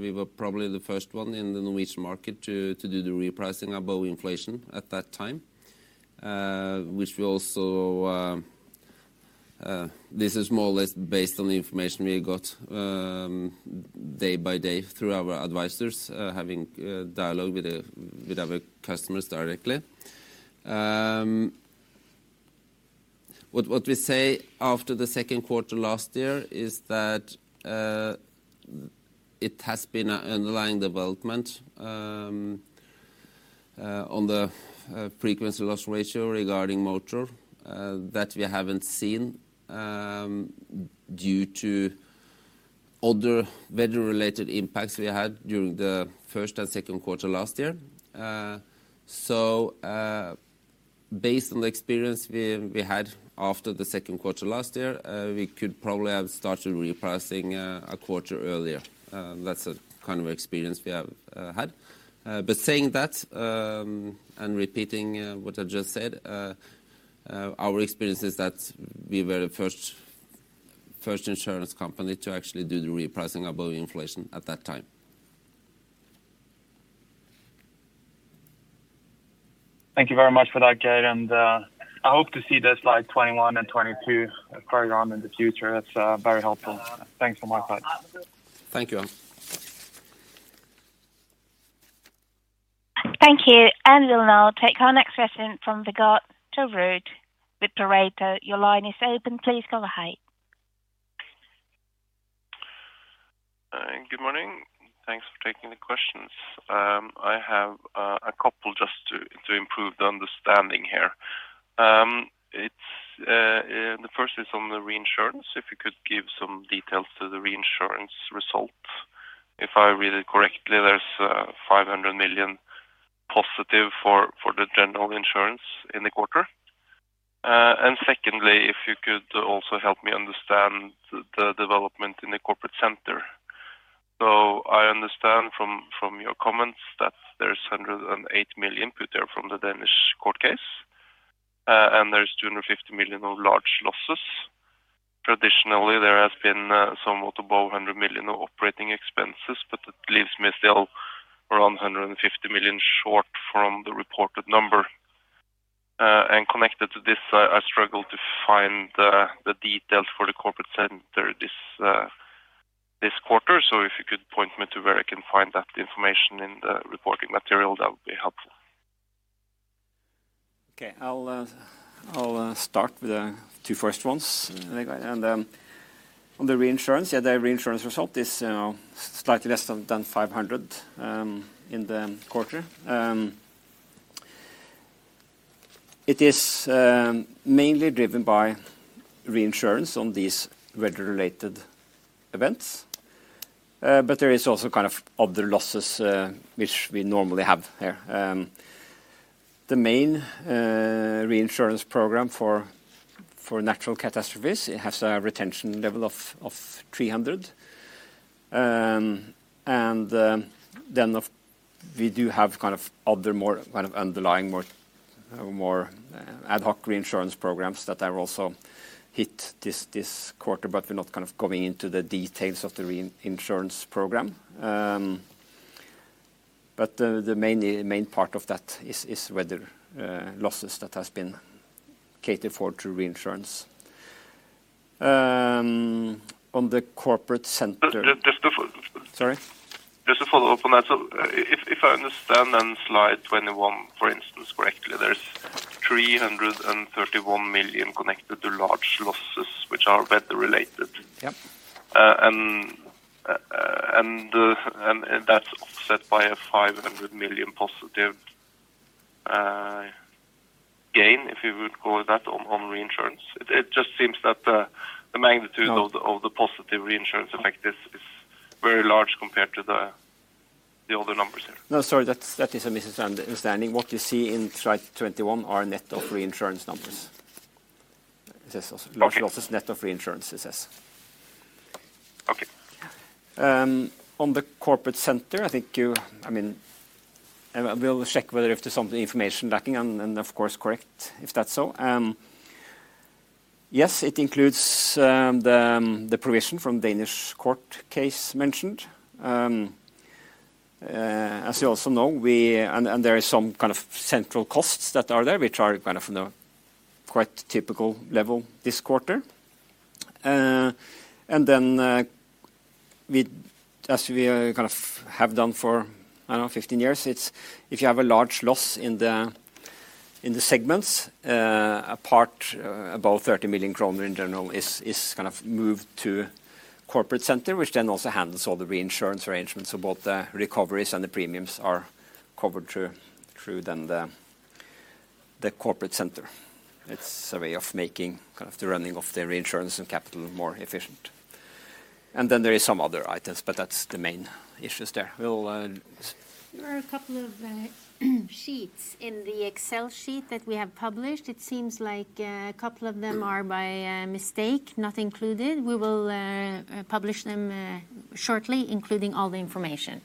we were probably the first one in the Norwegian market to do the repricing above inflation at that time, which is also more or less based on the information we got day by day through our advisors, having dialogue with our customers directly. What we saw after the second quarter last year is that it has been an underlying development on the frequency loss ratio regarding motor that we haven't seen due to other weather-related impacts we had during the first and second quarter last year. So based on the experience we had after the second quarter last year, we could probably have started repricing a quarter earlier. That's the kind of experience we have had. Saying that and repeating what I just said, our experience is that we were the first insurance company to actually do the repricing above inflation at that time. Thank you very much for that, Geir. I hope to see the Slide 21 and 22 further on in the future. That's very helpful. Thanks from my side. Thank you. Thank you. We'll now take our next question from Vegard Toverud with Pareto. Your line is open. Please go ahead. Good morning. Thanks for taking the questions. I have a couple just to improve the understanding here. The first is on the reinsurance. If you could give some details to the reinsurance result. If I read it correctly, there's 500 million positive for the general insurance in the quarter. And secondly, if you could also help me understand the development in the corporate center. So I understand from your comments that there's 108 million put there from the Danish court case, and there's 250 million on large losses. Traditionally, there has been somewhat above 100 million on operating expenses, but it leaves me still around 150 million short from the reported number. And connected to this, I struggled to find the details for the corporate center this quarter. So if you could point me to where I can find that information in the reporting material, that would be helpful. Okay. I'll start with the two first ones. On the reinsurance, yeah, the reinsurance result is slightly less than 500 in the quarter. It is mainly driven by reinsurance on these weather-related events. There is also kind of other losses which we normally have here. The main reinsurance program for natural catastrophes, it has a retention level of NOK 300. Then we do have kind of other more kind of underlying more ad hoc reinsurance programs that are also hit this quarter, but we're not kind of going into the details of the reinsurance program. The main part of that is weather losses that has been catered for through reinsurance. On the corporate center. Just to follow up on that. So if I understand then Slide 21, for instance, correctly, there's 331 million connected to large losses, which are weather-related. And that's offset by a 500 million positive gain, if you would call it that, on reinsurance. It just seems that the magnitude of the positive reinsurance effect is very large compared to the other numbers here. No, sorry. That is a misunderstanding. What you see in Slide 21 are net of reinsurance numbers. It says large losses net of reinsurance, it says. Okay. On the corporate center, I think you, I mean, we'll check whether if there's some information lacking and, of course, correct if that's so. Yes, it includes the provision from Danish court case mentioned. As you also know, we and there are some kind of central costs that are there, which are kind of on a quite typical level this quarter. And then as we kind of have done for, I don't know, 15 years, if you have a large loss in the segments, a part above 30 million kroner in general is kind of moved to corporate center, which then also handles all the reinsurance arrangements. So both the recoveries and the premiums are covered through then the corporate center. It's a way of making kind of the running of the reinsurance and capital more efficient. And then there are some other items, but that's the main issues there. We'll. There are a couple of sheets in the Excel sheet that we have published. It seems like a couple of them are by mistake not included. We will publish them shortly, including all the information.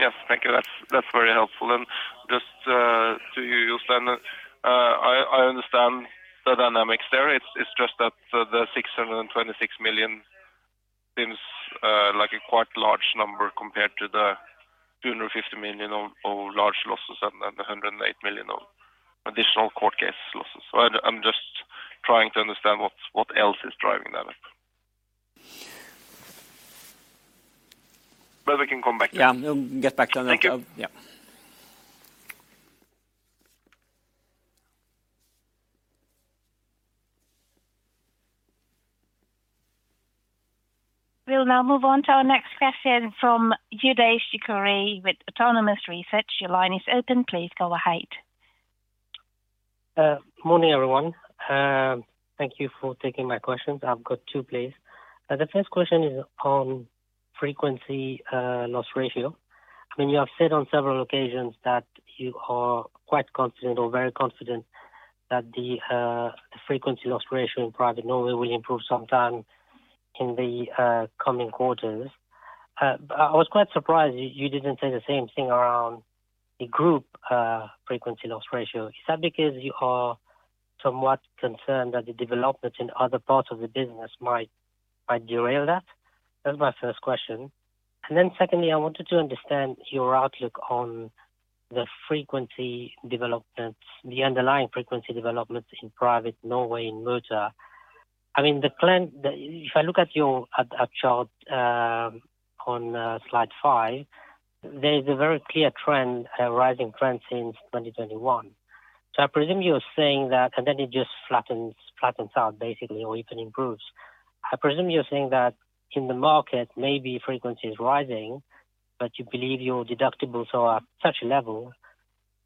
Yes. Thank you. That's very helpful. And just to you, Jostein, I understand the dynamics there. It's just that the 626 million seems like a quite large number compared to the 250 million of large losses and the 108 million of additional court case losses. So I'm just trying to understand what else is driving that. But we can come back to it. Yeah. We'll get back to that. Thank you. Yeah. We'll now move on to our next question from Youdish Chicooree with Autonomous Research. Your line is open. Please go ahead. Morning, everyone. Thank you for taking my questions. I've got two, please. The first question is on frequency loss ratio. I mean, you have said on several occasions that you are quite confident or very confident that the frequency loss ratio in private Norway will improve sometime in the coming quarters. But I was quite surprised you didn't say the same thing around the group frequency loss ratio. Is that because you are somewhat concerned that the development in other parts of the business might derail that? That's my first question. And then secondly, I wanted to understand your outlook on the underlying frequency developments in private Norway in motor. I mean, if I look at your chart on Slide 5, there is a very clear rising trend since 2021. So I presume you're saying that and then it just flattens out, basically, or even improves. I presume you're saying that in the market, maybe frequency is rising, but you believe your deductibles are at such a level,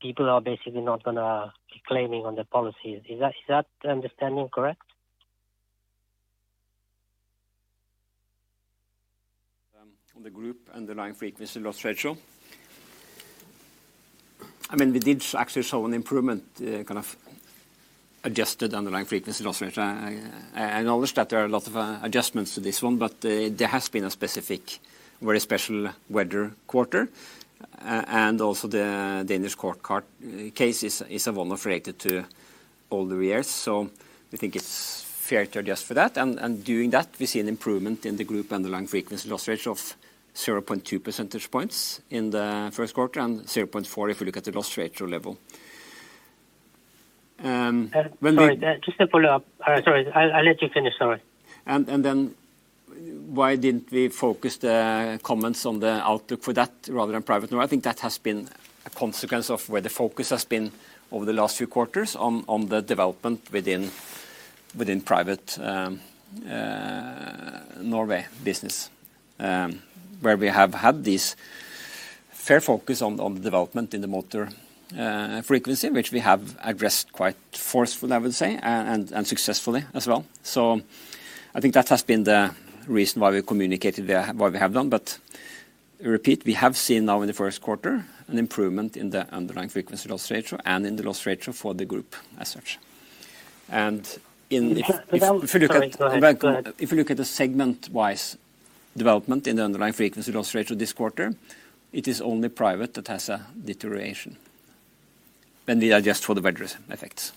people are basically not going to be claiming on their policies. Is that understanding correct? On the group underlying frequency loss ratio, I mean, we did actually saw an improvement kind of adjusted underlying frequency loss ratio. I acknowledge that there are a lot of adjustments to this one, but there has been a very special weather quarter. Also the Danish court case is one-off related to all the years. So we think it's fair to adjust for that. Doing that, we see an improvement in the group underlying frequency loss ratio of 0.2 percentage points in the first quarter and 0.4 if you look at the loss ratio level. When we. Sorry. Just to follow up. Sorry. I'll let you finish. Sorry. And then why didn't we focus the comments on the outlook for that rather than private Norway? I think that has been a consequence of where the focus has been over the last few quarters on the development within private Norway business, where we have had this fair focus on the development in the motor frequency, which we have addressed quite forcefully, I would say, and successfully as well. So I think that has been the reason why we communicated what we have done. But repeat, we have seen now in the first quarter an improvement in the underlying frequency loss ratio and in the loss ratio for the group as such. And if you look at the segment-wise development in the underlying frequency loss ratio this quarter, it is only private that has a deterioration when we adjust for the weather effects.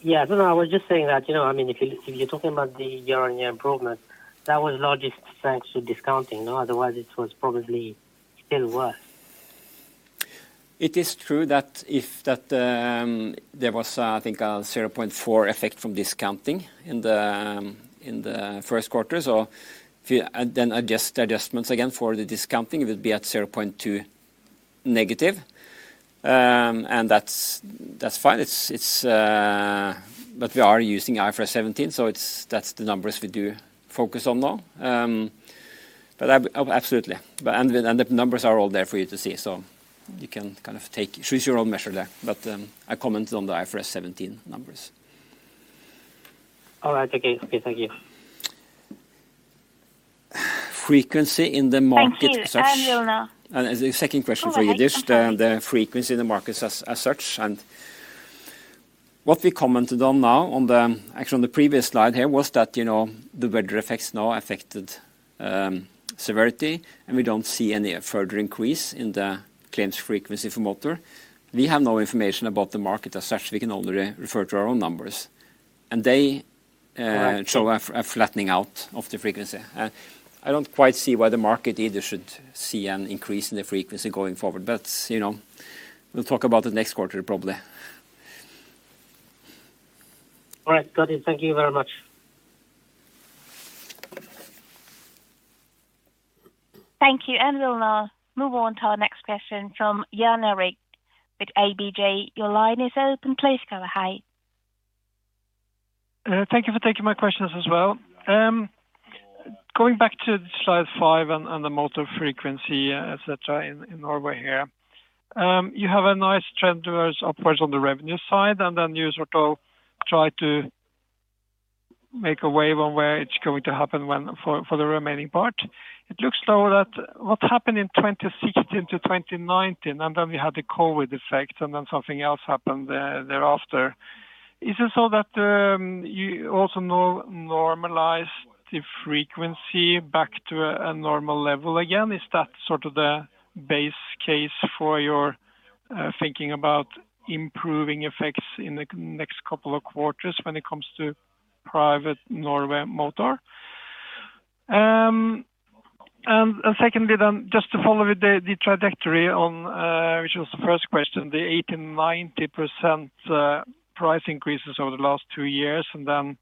Yeah. I was just saying that, I mean, if you're talking about the year-on-year improvement, that was largest thanks to discounting. Otherwise, it was probably still worse. It is true that there was, I think, a 0.4 effect from discounting in the first quarter. So then adjustments again for the discounting, it would be at 0.2 negative. And that's fine. But we are using IFRS 17, so that's the numbers we do focus on now. But absolutely. And the numbers are all there for you to see. So you can kind of choose your own measure there. But I commented on the IFRS 17 numbers. All right. Okay. Okay. Thank you. Frequency in the market as such. Thank you. And we'll now. The second question for Youdish, the frequency in the markets as such. What we commented on now, actually on the previous slide here, was that the weather effects now affected severity, and we don't see any further increase in the claims frequency for motor. We have no information about the market as such. We can only refer to our own numbers. They show a flattening out of the frequency. I don't quite see why the market either should see an increase in the frequency going forward. We'll talk about it next quarter, probably. All right. Got it. Thank you very much. Thank you. And we'll now move on to our next question from Jan Erik Gjerland with ABG. Your line is open. Please go ahead. Thank you for taking my questions as well. Going back to Slide 5 and the motor frequency, etc., in Norway here, you have a nice trend towards upwards on the revenue side. Then you sort of try to make a wave on where it's going to happen for the remaining part. It looks though that what happened in 2016-2019, and then we had the COVID effect, and then something else happened thereafter. Is it so that you also normalized the frequency back to a normal level again? Is that sort of the base case for your thinking about improving effects in the next couple of quarters when it comes to private Norway motor? And secondly, then just to follow with the trajectory on which was the first question, the 80%-90% price increases over the last two years, and then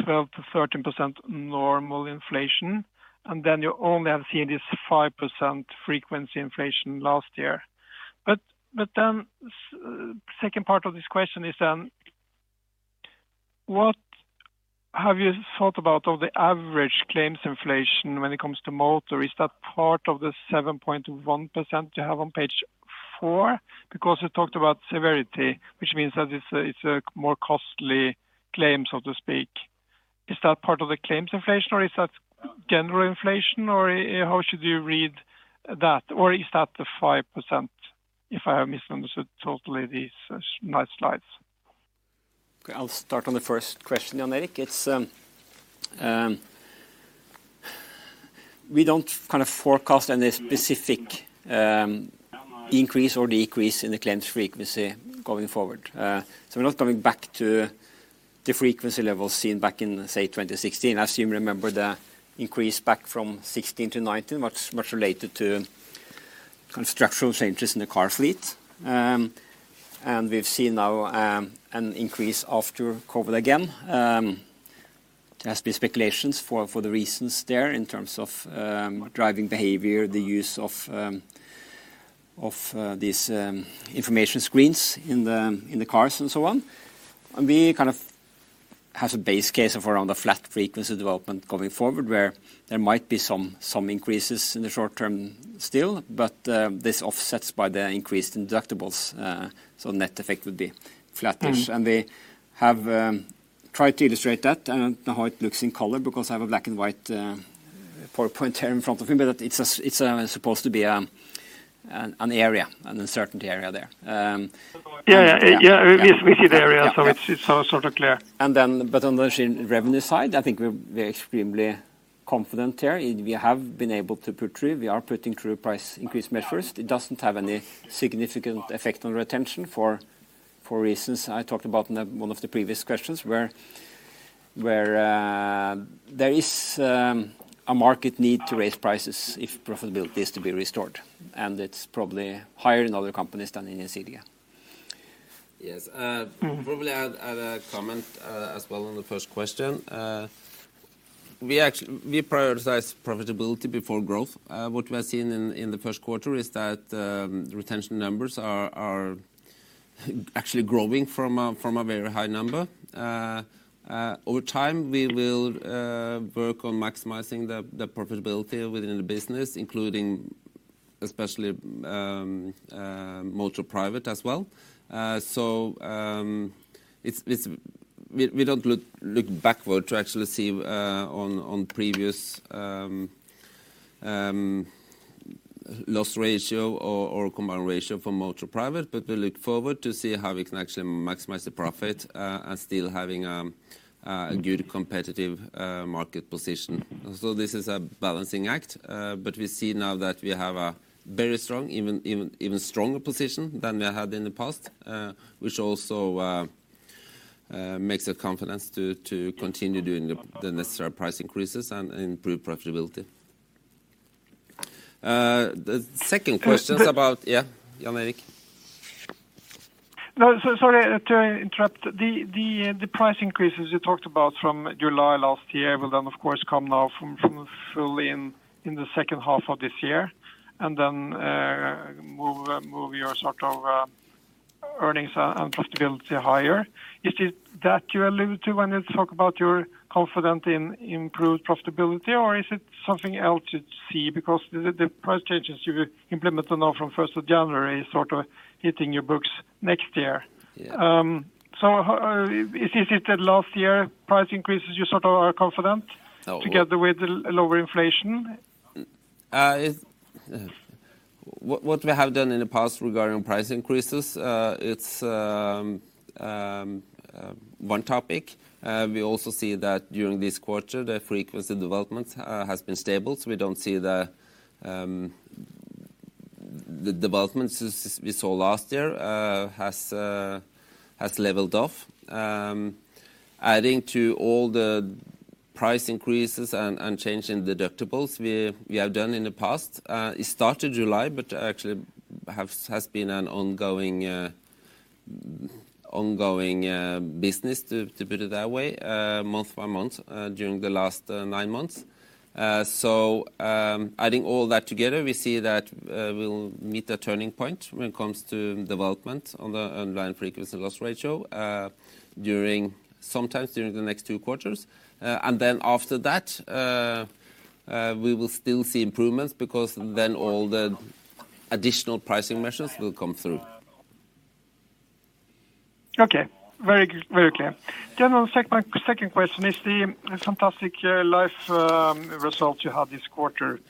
12%-13% normal inflation, and then you only have seen this 5% frequency inflation last year. But then the second part of this question is then, what have you thought about of the average claims inflation when it comes to motor? Is that part of the 7.1% you have on page 4? Because you talked about severity, which means that it's a more costly claim, so to speak. Is that part of the claims inflation, or is that general inflation, or how should you read that? Or is that the 5% if I have misunderstood totally these last slides? Okay. I'll start on the first question, Jan Erik. We don't kind of forecast any specific increase or decrease in the claims frequency going forward. So we're not going back to the frequency levels seen back in, say, 2016. I assume you remember the increase back from 2016 to 2019, much related to kind of structural changes in the car fleet. And we've seen now an increase after COVID again. There has been speculations for the reasons there in terms of driving behavior, the use of these information screens in the cars, and so on. And we kind of have a base case of around a flat frequency development going forward where there might be some increases in the short term still, but this offsets by the increase in deductibles. So the net effect would be flatter. We have tried to illustrate that and how it looks in color because I have a black-and-white PowerPoint here in front of me. It's supposed to be an area, an uncertainty area there. Yeah. Yeah. Yeah. We see the area, so it's sort of clear. But on the revenue side, I think we're extremely confident there. We have been able to put through. We are putting through price increase measures. It doesn't have any significant effect on retention for reasons I talked about in one of the previous questions where there is a market need to raise prices if profitability is to be restored. And it's probably higher in other companies than in Gjensidige. Yes. Probably add a comment as well on the first question. We prioritize profitability before growth. What we have seen in the first quarter is that retention numbers are actually growing from a very high number. Over time, we will work on maximizing the profitability within the business, including especially motor private as well. So we don't look backward to actually see on previous loss ratio or combined ratio for motor private, but we look forward to see how we can actually maximize the profit and still having a good competitive market position. So this is a balancing act. But we see now that we have a very strong, even stronger position than we had in the past, which also makes us confident to continue doing the necessary price increases and improve profitability. The second question is about yeah. Jan Erik? No. So sorry to interrupt. The price increases you talked about from July last year will then, of course, come now fully in the second half of this year and then move your sort of earnings and profitability higher. Is it that you allude to when you talk about you're confident in improved profitability, or is it something else you see? Because the price changes you implemented now from 1st of January is sort of hitting your books next year. So is it that last year price increases you sort of are confident together with lower inflation? What we have done in the past regarding price increases, it's one topic. We also see that during this quarter, the frequency development has been stable. So we don't see the development we saw last year has leveled off. Adding to all the price increases and change in deductibles we have done in the past, it started July, but actually has been an ongoing business, to put it that way, month by month during the last 9 months. So adding all that together, we see that we'll meet a turning point when it comes to development on the underlying frequency loss ratio sometimes during the next 2 quarters. And then after that, we will still see improvements because then all the additional pricing measures will come through. Okay. Very clear. Then a, second question is the fantastic life results you had this quarter.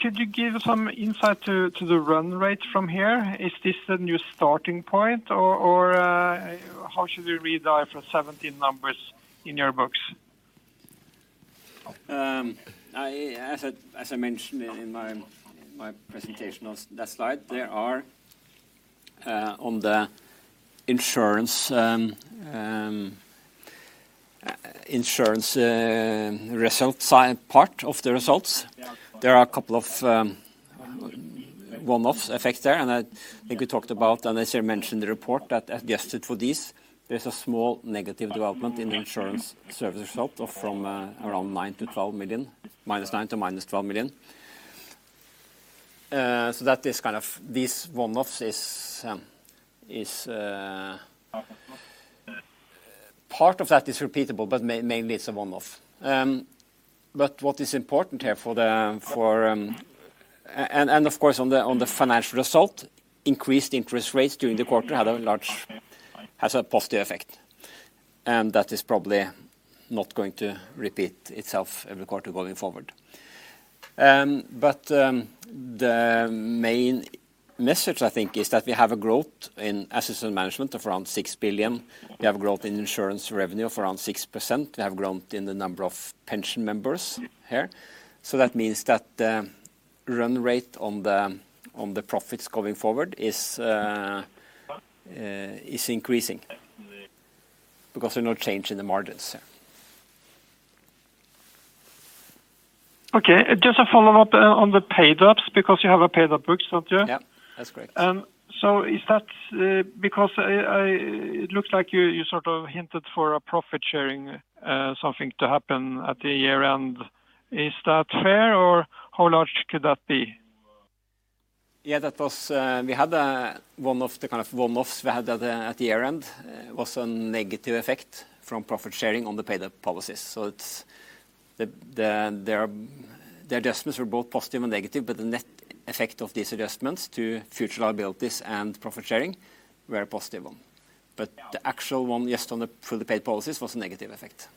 Could you give some insight to the run rate from here? Is this the new starting point, or how should we read IFRS 17 numbers in your books? As I mentioned in my presentation on that slide, there are, on the insurance result part of the results, there are a couple of one-off effects there. And I think we talked about, and as I mentioned in the report, that. Adjusted for these, there is a small negative development in the insurance service result from around 9 million-12 million, minus 9 million to minus 12 million. So that is kind of these one-offs is part of that is repeatable, but mainly it's a one-off. But what is important here for the, and of course, on the financial result, increased interest rates during the quarter has a positive effect. And that is probably not going to repeat itself every quarter going forward. But the main message, I think, is that we have a growth in assets and management of around 6 billion. We have growth in insurance revenue of around 6%. We have grown in the number of pension members here. So that means that the run rate on the profits going forward is increasing because there's no change in the margins here. Okay. Just a follow-up on the payouts because you have a payout book, don't you? Yeah. That's correct. So, is that because it looks like you sort of hinted for a profit-sharing something to happen at the year-end? Is that fair, or how large could that be? Yeah. We had one of the kind of one-offs we had at the year-end was a negative effect from profit sharing on the paid-up policies. So the adjustments were both positive and negative, but the net effect of these adjustments to future liabilities and profit sharing were positive one. But the actual one just on the fully paid policies was a negative effect.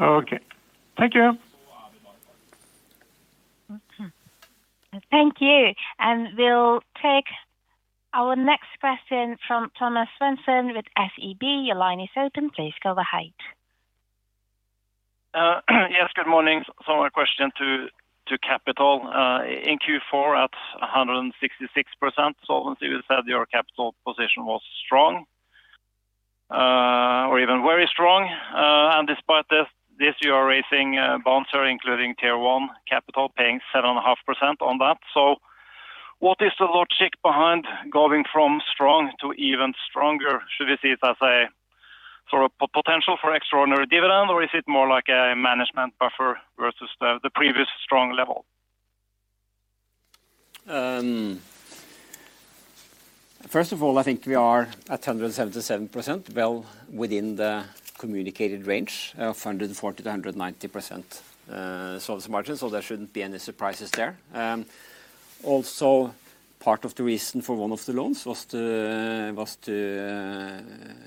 Okay. Thank you. Thank you. We'll take our next question from Thomas Svendsen with SEB. Your line is open. Please go ahead. Yes. Good morning. So my question to Capital. In Q4 at 166% solvency, we said your capital position was strong or even very strong. And despite this, you are raising bonds here, including Tier 1 capital, paying 7.5% on that. So what is the logic behind going from strong to even stronger? Should we see it as a sort of potential for extraordinary dividend, or is it more like a management buffer versus the previous strong level? First of all, I think we are at 177%, well within the communicated range of 140%-190% solvency margin. So there shouldn't be any surprises there. Also, part of the reason for one of the loans was to be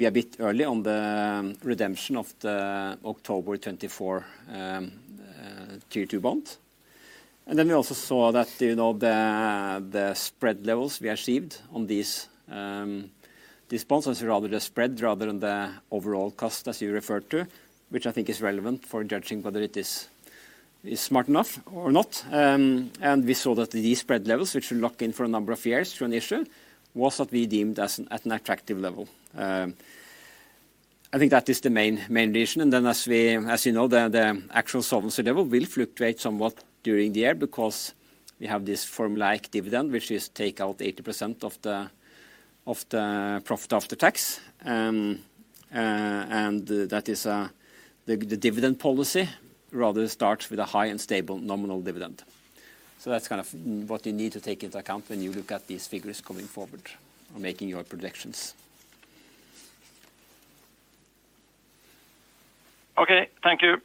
a bit early on the redemption of the October 2024 Tier 2 bond. And then we also saw that the spread levels we achieved on these bonds are rather the spread rather than the overall cost, as you referred to, which I think is relevant for judging whether it is smart enough or not. And we saw that these spread levels, which will lock in for a number of years through an issue, was what we deemed at an attractive level. I think that is the main reason. And then, as you know, the actual solvency level will fluctuate somewhat during the year because we have this formulaic dividend, which is take out 80% of the profit after tax. And that is the dividend policy rather starts with a high and stable nominal dividend. So that's kind of what you need to take into account when you look at these figures coming forward or making your projections. Okay. Thank you.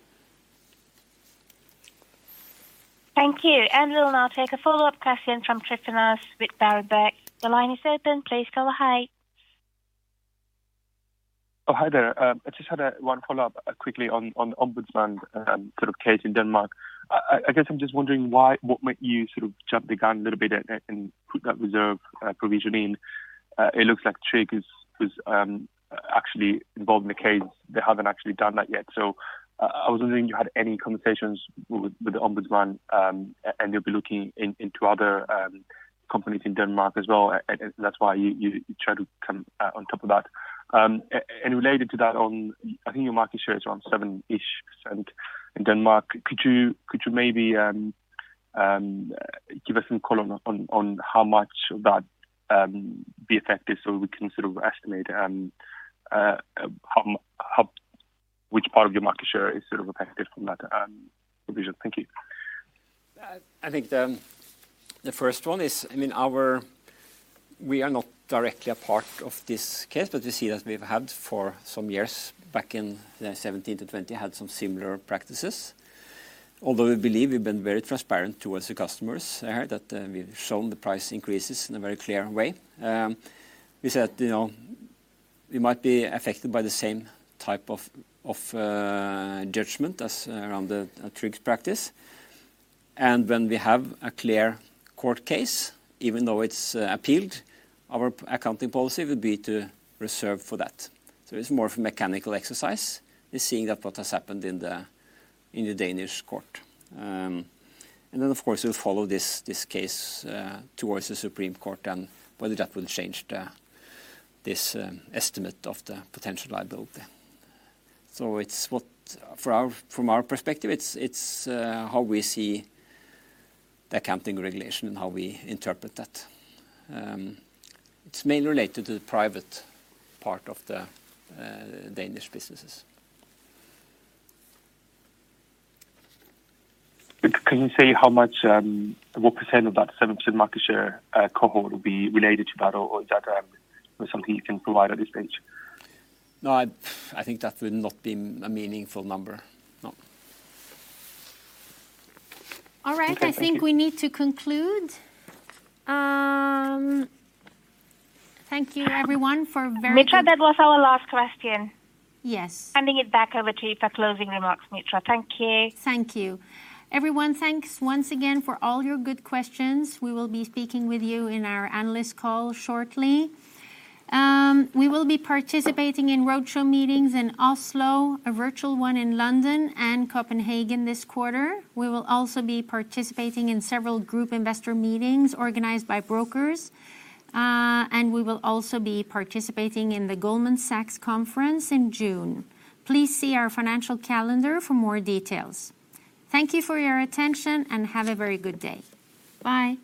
Thank you. And we'll now take a follow-up question from Tryfonas with Berenberg. The line is open. Please go ahead. Oh, hi there. I just had one follow-up quickly on Ombudsman sort of case in Denmark. I guess I'm just wondering what made you sort of jump the gun a little bit and put that reserve provision in. It looks like Tryg was actually involved in the case. They haven't actually done that yet. So I was wondering if you had any conversations with the Ombudsman, and they'll be looking into other companies in Denmark as well. And that's why you tried to come on top of that. And related to that, I think your market share is around 7%-ish in Denmark. Could you maybe give us some call on how much of that be effective so we can sort of estimate which part of your market share is sort of effective from that provision? Thank you. I think the first one is, I mean, we are not directly a part of this case, but we see that we've had for some years back in 2017 to 2020 had some similar practices. Although we believe we've been very transparent towards the customers here, that we've shown the price increases in a very clear way. We said we might be affected by the same type of judgment as around the Tryg's practice. And when we have a clear court case, even though it's appealed, our accounting policy would be to reserve for that. So it's more of a mechanical exercise in seeing what has happened in the Danish court. And then, of course, we'll follow this case towards the Supreme Court and whether that will change this estimate of the potential liability. So from our perspective, it's how we see the accounting regulation and how we interpret that. It's mainly related to the private part of the Danish businesses. Can you say what % of that 7% market share cohort will be related to that, or is that something you can provide at this stage? No. I think that would not be a meaningful number. No. All right. I think we need to conclude. Thank you very much, everyone. Mitra, that was our last question. Yes. Handing it back over to you for closing remarks, Mitra. Thank you. Thank you. Everyone, thanks once again for all your good questions. We will be speaking with you in our analyst call shortly. We will be participating in roadshow meetings in Oslo, a virtual one in London, and Copenhagen this quarter. We will also be participating in several group investor meetings organized by brokers. We will also be participating in the Goldman Sachs conference in June. Please see our financial calendar for more details. Thank you for your attention, and have a very good day. Bye.